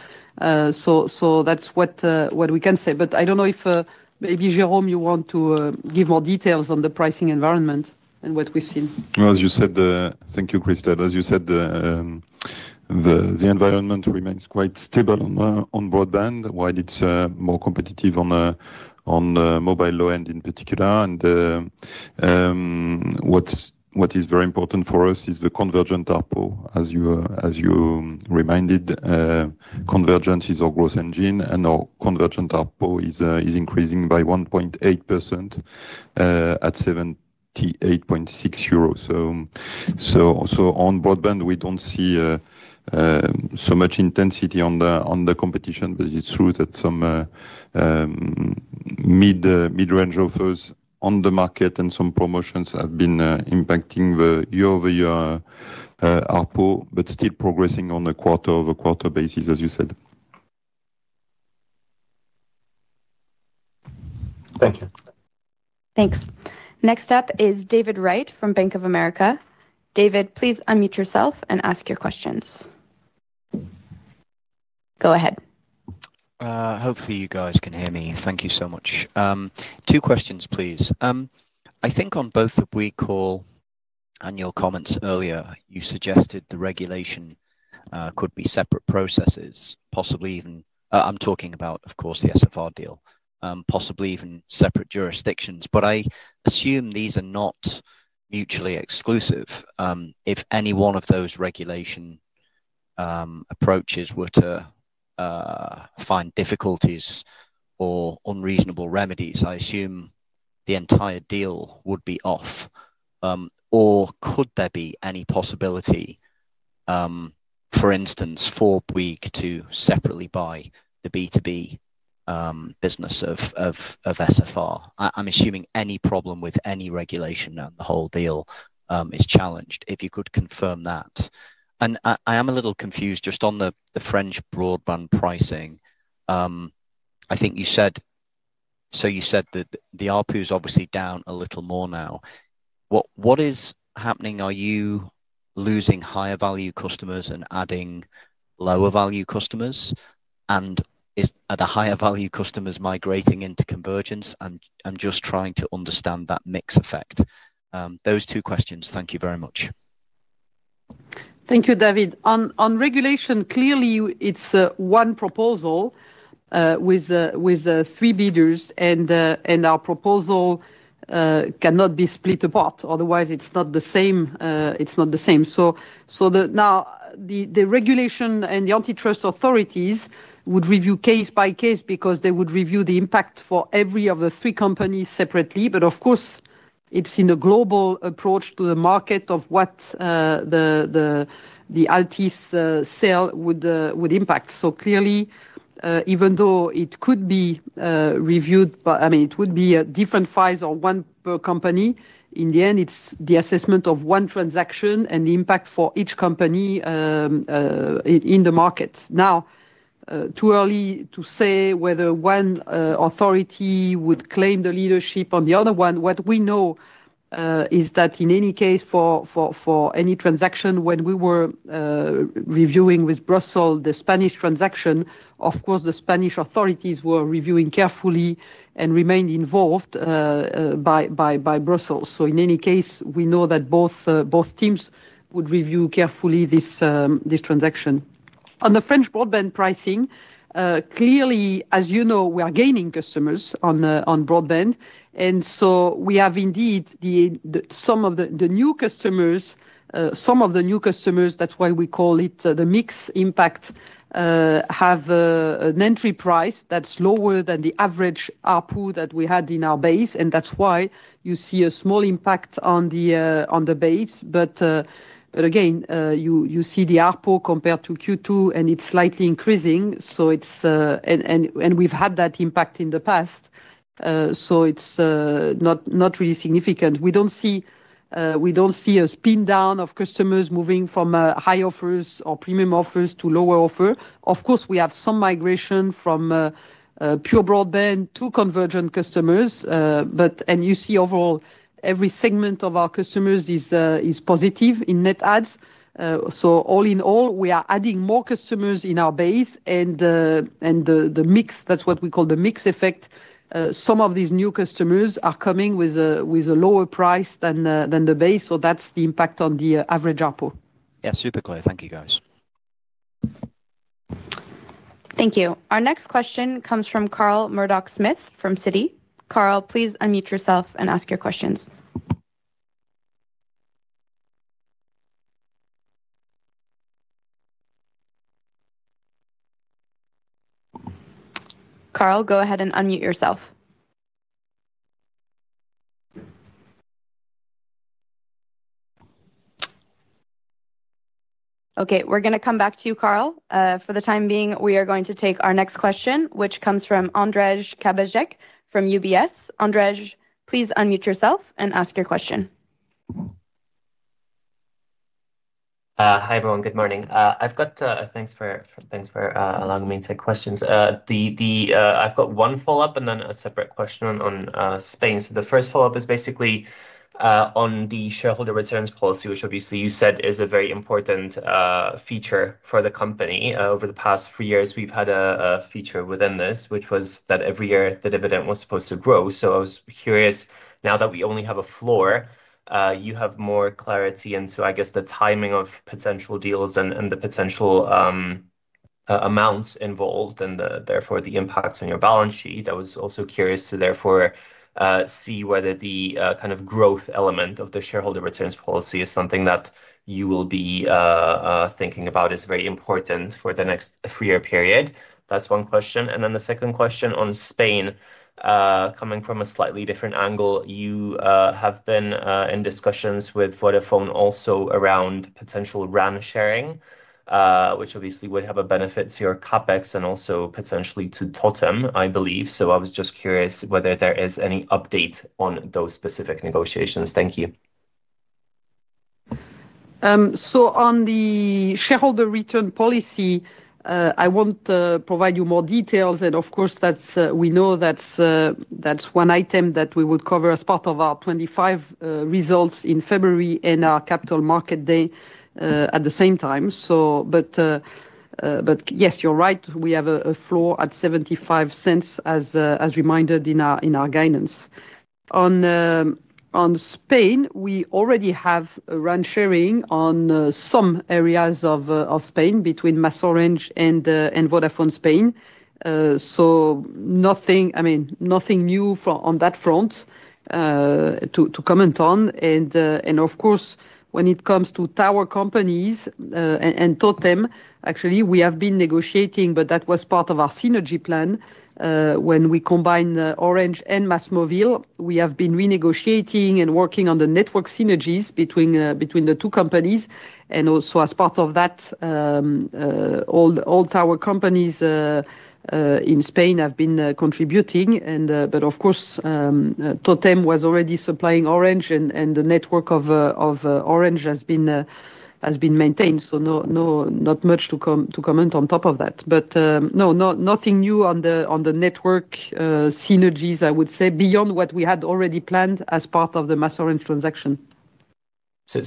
That's what we can say. I don't know if maybe Jérôme, you want to give more details on the pricing environment and what we've seen. Thank you, Christel. As you said, the environment remains quite stable on broadband, while it's more competitive on mobile low end in particular. What is very important for us is the convergent ARPU. As you reminded, convergence is our growth engine and our convergent ARPU is increasing by 1.8% at 78.6 euros. On broadband, we don't see so much intensity on the competition, but it's true that some mid-range offers on the market and some promotions have been impacting the year-over-year ARPU, but still progressing on a quarter-over-quarter basis, as you said. Thank you. Thanks. Next up is David Wright from Bank of America. David, please unmute yourself and ask your questions. Go ahead. Hopefully, you guys can hear me. Thank you so much. Two questions, please. I think on both the Bouygues call and your comments earlier, you suggested the regulation could be separate processes, possibly even... I'm talking about, of course, the SFR deal, possibly even separate jurisdictions. I assume these are not mutually exclusive. If any one of those regulation approaches were to find difficulties or unreasonable remedies, I assume the entire deal would be off. Could there be any possibility, for instance, for Bouygues to separately buy the B2B business of SFR? I'm assuming any problem with any regulation on the whole deal is challenged. If you could confirm that. I am a little confused just on the French broadband pricing. I think you said... you said that the ARPU is obviously down a little more now. What is happening? Are you losing higher-value customers and adding lower-value customers? Are the higher-value customers migrating into convergence? I'm just trying to understand that mix effect. Those two questions, thank you very much. Thank you, David. On regulation, clearly, it's one proposal with three bidders, and our proposal cannot be split apart. Otherwise, it's not the same. Now, the regulation and the antitrust authorities would review case by case because they would review the impact for every one of the three companies separately. Of course, it's in a global approach to the market of what the Altice sale would impact. Clearly, even though it could be reviewed by a different size or one per company, in the end, it's the assessment of one transaction and the impact for each company in the market. It's too early to say whether one authority would claim the leadership on the other one. What we know is that in any case for any transaction, when we were reviewing with Brussels the Spanish transaction, the Spanish authorities were reviewing carefully and remained involved by Brussels. In any case, we know that both teams would review carefully this transaction. On the French broadband pricing, clearly, as you know, we are gaining customers on broadband. We have indeed some of the new customers, that's why we call it the mix impact, have an entry price that's lower than the average ARPU that we had in our base. That's why you see a small impact on the base. You see the ARPU compared to Q2 and it's slightly increasing. We've had that impact in the past, so it's not really significant. We don't see a spin down of customers moving from high offers or premium offers to lower offers. Of course, we have some migration from pure broadband to convergent customers, and you see overall every segment of our customers is positive in net adds. All in all, we are adding more customers in our base, and the mix, that's what we call the mix effect, some of these new customers are coming with a lower price than the base. That's the impact on the average ARPU. Yeah, super clear. Thank you, guys. Thank you. Our next question comes from Carl Murdoch-Smith from Citi. Carl, please unmute yourself and ask your questions. Carl, go ahead and unmute yourself. Okay, we are going to come back to you, Carl, for the time being. We are going to take our next question, which comes from Ondrej Cabejsek from UBS. Ondrej, please unmute yourself and ask your question. Hi everyone, good morning. Thanks for allowing me to take questions. I've got one follow-up and then a separate question on Spain. The first follow-up is basically on the shareholder returns policy, which obviously you said is a very important feature for the company. Over the past three years, we've had a feature within this, which was that every year the dividend was supposed to grow. I was curious, now that we only have a floor, you have more clarity into I guess the timing of potential deals and the potential amounts involved and therefore the impacts on your balance sheet. I was also curious to therefore see whether the kind of growth element of the shareholder returns policy is something that you will be thinking about as very important for the next three-year period. That's one question. The second question on Spain, coming from a slightly different angle, you have been in discussions with Vodafone also around potential RAN sharing, which obviously would have a benefit to your CapEx and also potentially to Totem, I believe. I was just curious whether there is any update on those specific negotiations. Thank you. On the shareholder return policy, I won't provide you more details. Of course, we know that's one item that we would cover as part of our 2025 results in February and our Capital Markets Day at the same time. Yes, you're right. We have a floor at 0.75, as reminded in our guidance. On Spain, we already have RAN sharing in some areas of Spain between MásOrange and Vodafone Spain. Nothing new on that front to comment on. Of course, when it comes to tower companies and Totem, actually, we have been negotiating, but that was part of our synergy plan. When we combine Orange and MásMóvil, we have been renegotiating and working on the network synergies between the two companies. Also, as part of that, all tower companies in Spain have been contributing. Of course, Totem was already supplying Orange and the network of Orange has been maintained. Not much to comment on top of that. No, nothing new on the network synergies, I would say, beyond what we had already planned as part of the MásOrange transaction.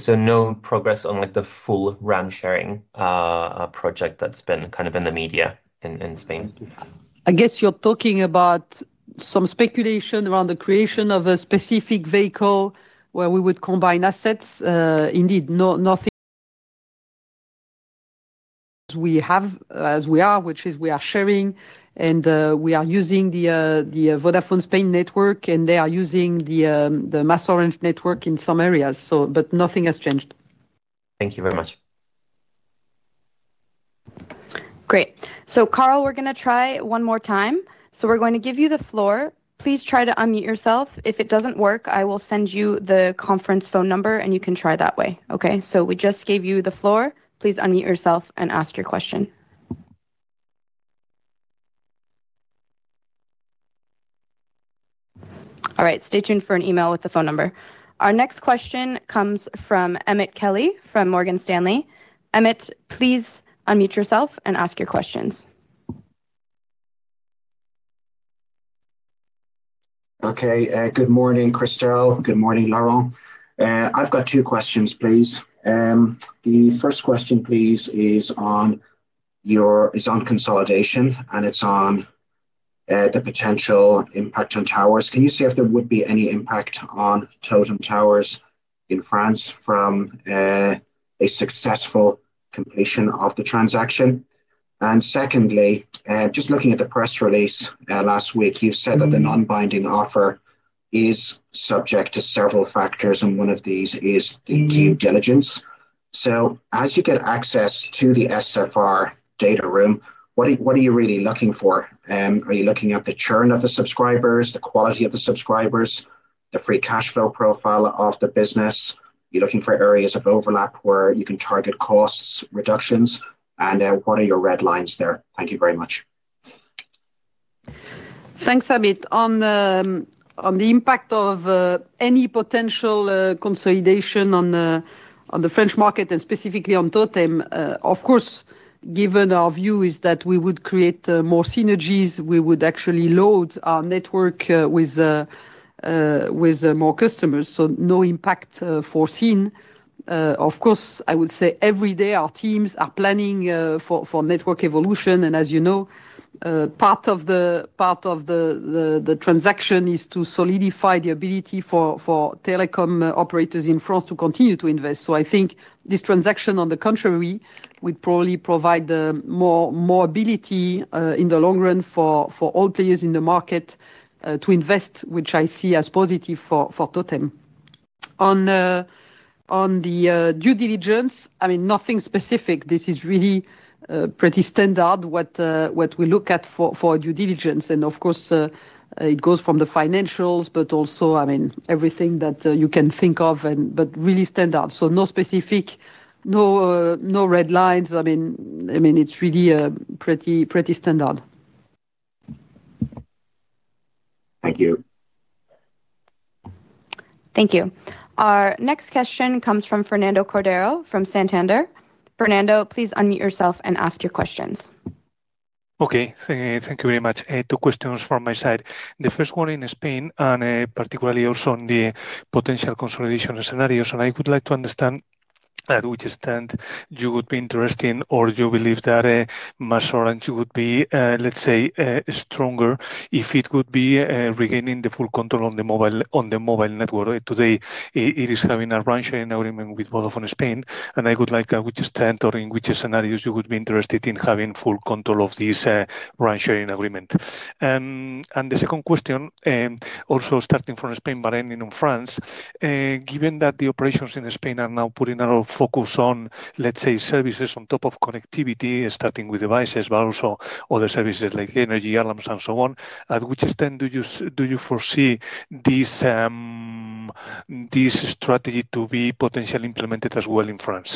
No progress on like the full RAN sharing project that's been kind of in the media in Spain? I guess you're talking about some speculation around the creation of a specific vehicle where we would combine assets. Indeed, nothing. We have, as we are, which is we are sharing and we are using the Vodafone Spain network and they are using the MásOrange network in some areas. Nothing has changed. Thank you very much. Great. Carl, we are going to try one more time. We are going to give you the floor. Please try to unmute yourself. If it does not work, I will send you the conference phone number and you can try that way. Okay? We just gave you the floor. Please unmute yourself and ask your question. All right, stay tuned for an email with the phone number. Our next question comes from Emmett Kelly from Morgan Stanley. Emmett, please unmute yourself and ask your questions. Okay, good morning, Christel. Good morning, Laurent. I've got two questions, please. The first question, please, is on consolidation and it's on the potential impact on towers. Can you say if there would be any impact on Totem Towers in France from a successful completion of the transaction? Secondly, just looking at the press release last week, you said that the non-binding offer is subject to several factors and one of these is the due diligence. As you get access to the SFR data room, what are you really looking for? Are you looking at the churn of the subscribers, the quality of the subscribers, the free cash flow profile of the business? Are you looking for areas of overlap where you can target cost reductions? What are your red lines there? Thank you very much. Thanks, Emmett, on the impact of any potential consolidation on the French market and specifically on Totem. Of course, given our view is that we would create more synergies, we would actually load our network with more customers. No impact foreseen. Every day our teams are planning for network evolution. As you know, part of the transaction is to solidify the ability for telecom operators in France to continue to invest. I think this transaction, on the contrary, would probably provide more ability in the long run for all players in the market to invest, which I see as positive for Totem. On the due diligence, nothing specific. This is really pretty standard what we look at for due diligence. It goes from the financials, but also everything that you can think of, but really standard. No specific, no red lines. It's really pretty standard. Thank you. Thank you. Our next question comes from Fernando Cordero from Santander. Fernando, please unmute yourself and ask your questions. Okay, thank you very much. Two questions from my side. The first one in Spain, and particularly also on the potential consolidation scenarios. I would like to understand at which extent you would be interested in or you believe that MásOrange would be, let's say, stronger if it would be regaining the full control on the mobile network. Today, it is having a RAN sharing agreement with Vodafone Spain. I would like to understand in which scenarios you would be interested in having full control of this RAN sharing agreement. The second question, also starting from Spain but ending in France, given that the operations in Spain are now putting a lot of focus on, let's say, services on top of connectivity, starting with devices, but also other services like energy, alarms, and so on. At which extent do you foresee this strategy to be potentially implemented as well in France?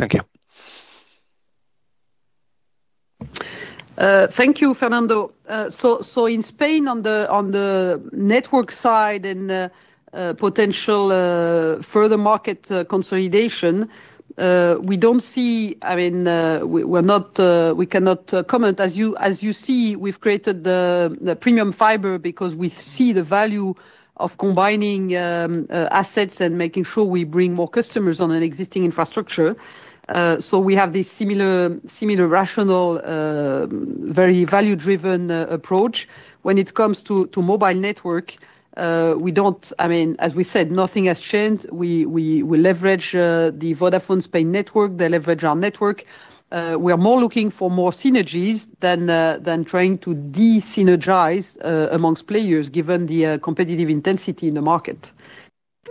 Thank you. Thank you, Fernando. In Spain, on the network side and potential further market consolidation, we don't see, I mean, we cannot comment. As you see, we've created the Premium Fiber because we see the value of combining assets and making sure we bring more customers on an existing infrastructure. We have this similar rationale, very value-driven approach. When it comes to mobile network, we don't, I mean, as we said, nothing has changed. We leverage the Vodafone Spain network. They leverage our network. We are more looking for more synergies than trying to de-synergize amongst players, given the competitive intensity in the market.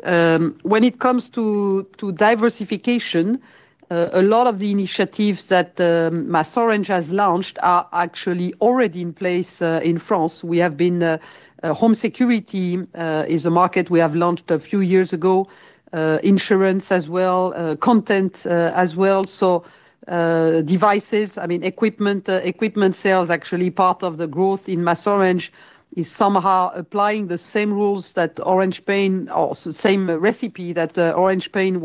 When it comes to diversification, a lot of the initiatives that MásOrange has launched are actually already in place in France. We have been home security is a market we have launched a few years ago, insurance as well, content as well. Devices, I mean, equipment sales are actually part of the growth in MásOrange. It is somehow applying the same rules that Orange Spain or the same recipe that Orange Spain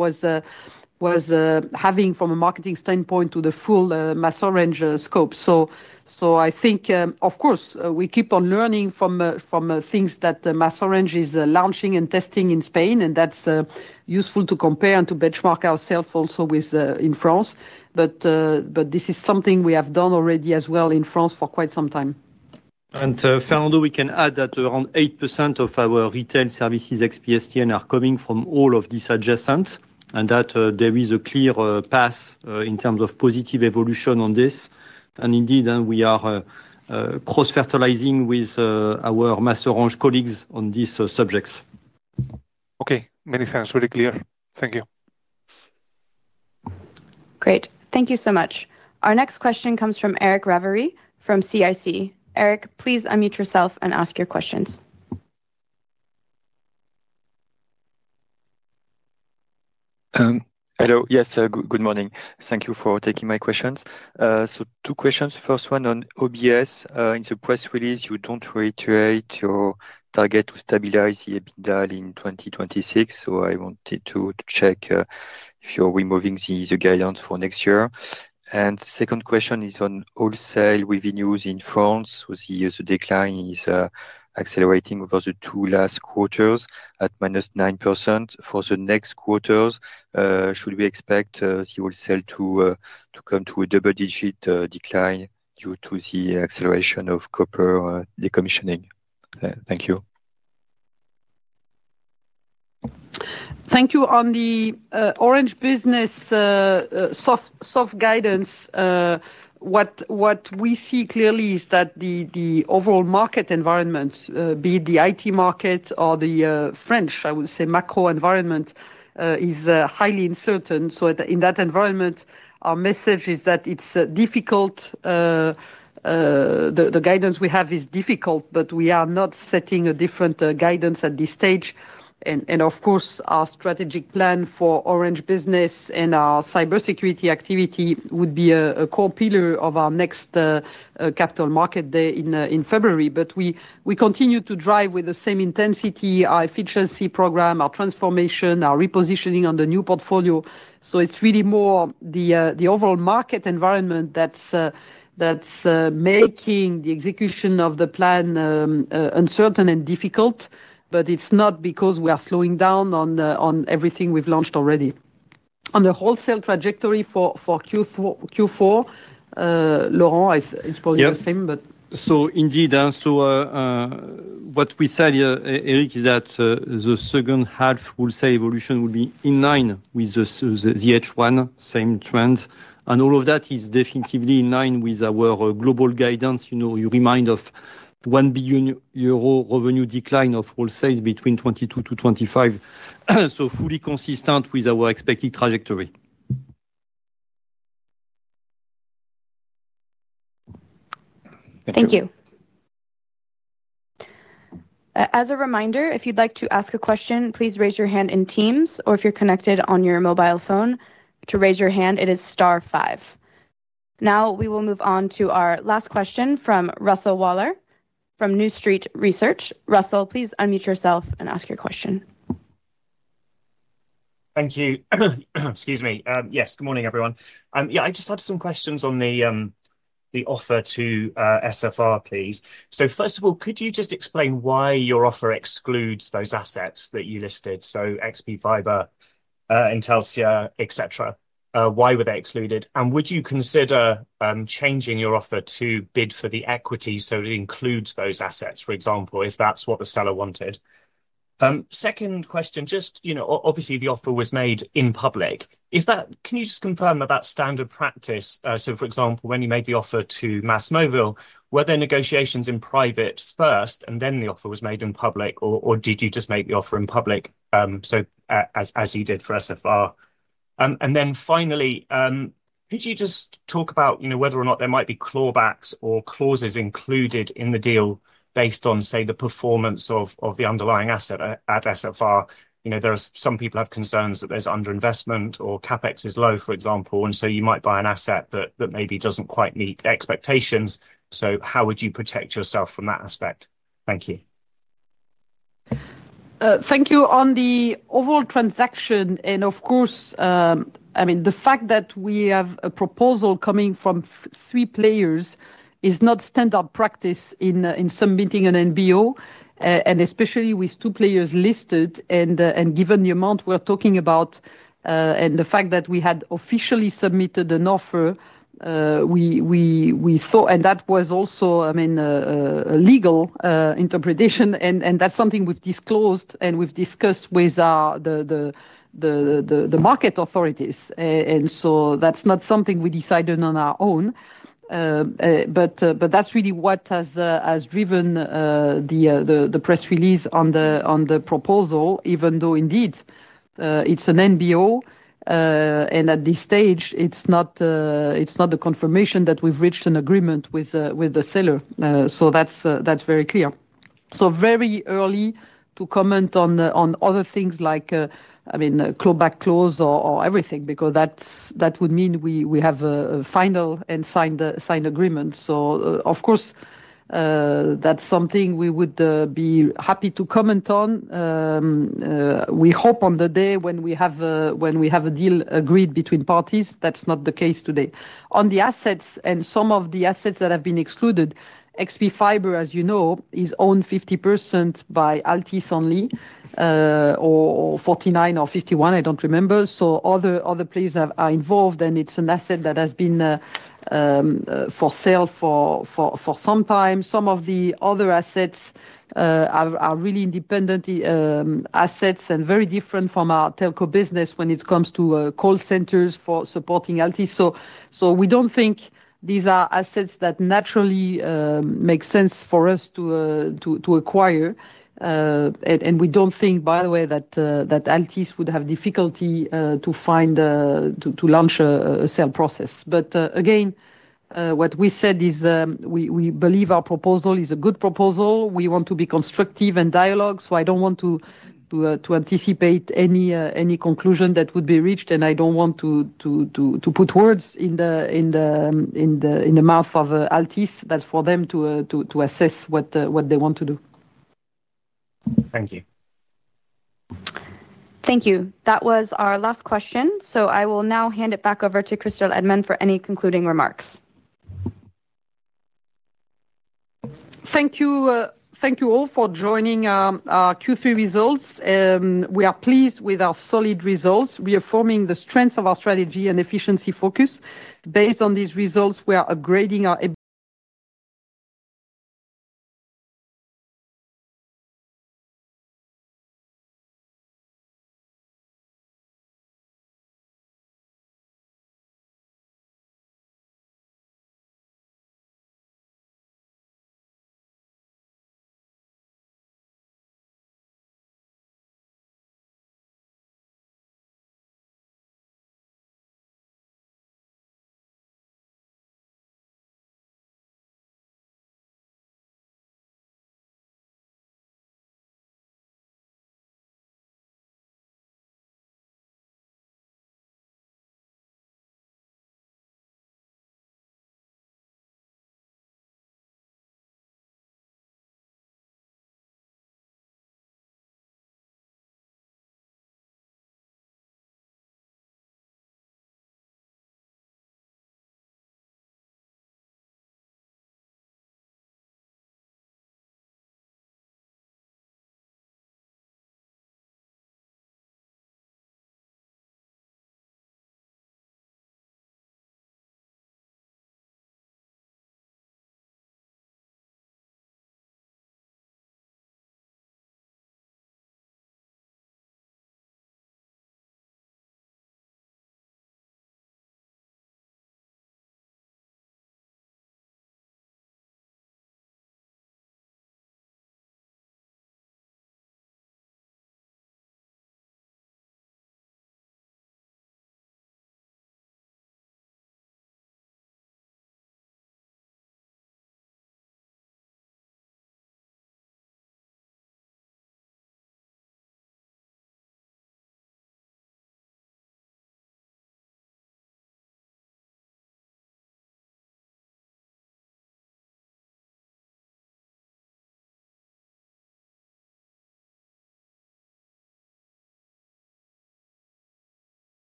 was having from a marketing standpoint to the full MásOrange scope. I think, of course, we keep on learning from things that MásOrange is launching and testing in Spain. That's useful to compare and to benchmark ourselves also in France. This is something we have done already as well in France for quite some time. Fernando, we can add that around 8% of our retail services are coming from all of these adjacents. There is a clear path in terms of positive evolution on this. Indeed, we are cross-fertilizing with our Orange colleagues on these subjects. Okay, many thanks, really clear. Thank you. Great. Thank you so much. Our next question comes from Eric Ravary from CIC. Eric, please unmute yourself and ask your questions. Hello. Yes, good morning. Thank you for taking my questions. Two questions. First one on OBS. In the press release, you don't reiterate your target to stabilize the EBITDA in 2026. I wanted to check if you're removing the guidance for next year. The second question is on wholesale revenues in France. The decline is accelerating over the last two quarters at -9%. For the next quarters, should we expect the wholesale to come to a double-digit decline due to the acceleration of copper decommissioning? Thank you. Thank you. On the Orange Business soft guidance, what we see clearly is that the overall market environment, be it the IT market or the French, I would say, macro environment, is highly uncertain. In that environment, our message is that it's difficult. The guidance we have is difficult, but we are not setting a different guidance at this stage. Of course, our strategic plan for Orange Business and our cybersecurity activity would be a core pillar of our next Capital Markets Day in February. We continue to drive with the same intensity our efficiency program, our transformation, our repositioning on the new portfolio. It's really more the overall market environment that's making the execution of the plan uncertain and difficult. It's not because we are slowing down on everything we've launched already. On the wholesale trajectory for Q4, Laurent, I suppose it's the same, but... Indeed, what we said, Eric, is that the second half wholesale evolution will be in line with the H1, same trend. All of that is definitely in line with our global guidance. You know, you remind of 1 billion euro revenue decline of wholesale between 2022-2025, so fully consistent with our expected trajectory. Thank you. As a reminder, if you'd like to ask a question, please raise your hand in Teams, or if you're connected on your mobile phone, to raise your hand, it is star five. Now, we will move on to our last question from Russell Waller from New Street Research. Russell, please unmute yourself and ask your question. Thank you. Excuse me. Yes, good morning, everyone. I just had some questions on the offer to SFR, please. First of all, could you just explain why your offer excludes those assets that you listed? XP Fiber, Intelsia, etc. Why were they excluded? Would you consider changing your offer to bid for the equity so it includes those assets, for example, if that's what the seller wanted? Second question, obviously the offer was made in public. Can you just confirm that that's standard practice? For example, when you made the offer to MásMóvil, were there negotiations in private first and then the offer was made in public, or did you just make the offer in public, as you did for SFR? Finally, could you just talk about whether or not there might be clawbacks or clauses included in the deal based on, say, the performance of the underlying asset at SFR? There are some people who have concerns that there's underinvestment or CapEx is low, for example, and you might buy an asset that maybe doesn't quite meet expectations. How would you protect yourself from that aspect? Thank you. Thank you. On the overall transaction, and of course, I mean, the fact that we have a proposal coming from three players is not standard practice in submitting an NBO. Especially with two players listed and given the amount we're talking about, and the fact that we had officially submitted an offer, we thought, and that was also a legal interpretation. That's something we've disclosed and we've discussed with the market authorities. That's not something we decided on our own. That's really what has driven the press release on the proposal, even though indeed it's an NBO. At this stage, it's not the confirmation that we've reached an agreement with the seller. That's very clear. It's very early to comment on other things like a clawback clause or everything, because that would mean we have a final and signed agreement. Of course, that's something we would be happy to comment on. We hope on the day when we have a deal agreed between parties. That's not the case today. On the assets and some of the assets that have been excluded, XP Fiber, as you know, is owned 50% by Altice only, or 49% or 51%, I don't remember. Other players are involved and it's an asset that has been for sale for some time. Some of the other assets are really independent assets and very different from our telco business when it comes to call centers for supporting Altice. We don't think these are assets that naturally make sense for us to acquire. We don't think, by the way, that Altice would have difficulty to find to launch a sale process. Again, what we said is we believe our proposal is a good proposal. We want to be constructive and dialogue. I don't want to anticipate any conclusion that would be reached. I don't want to put words in the mouth of Altice. That's for them to assess what they want to do. Thank you. Thank you. That was our last question. I will now hand it back over to Christel Heydemann for any concluding remarks. Thank you. Thank you all for joining our Q3 results. We are pleased with our solid results, reaffirming the strengths of our strategy and efficiency focus. Based on these results, we are upgrading our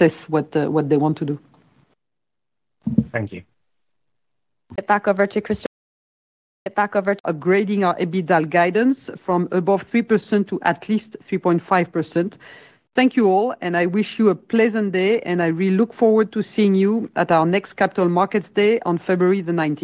Assess what they want to do. Thank you. Get back over to Christel. Upgrading our EBITDA guidance from above 3% to at least 3.5%. Thank you all, and I wish you a pleasant day. I really look forward to seeing you at our next Capital Markets Day on February 19th.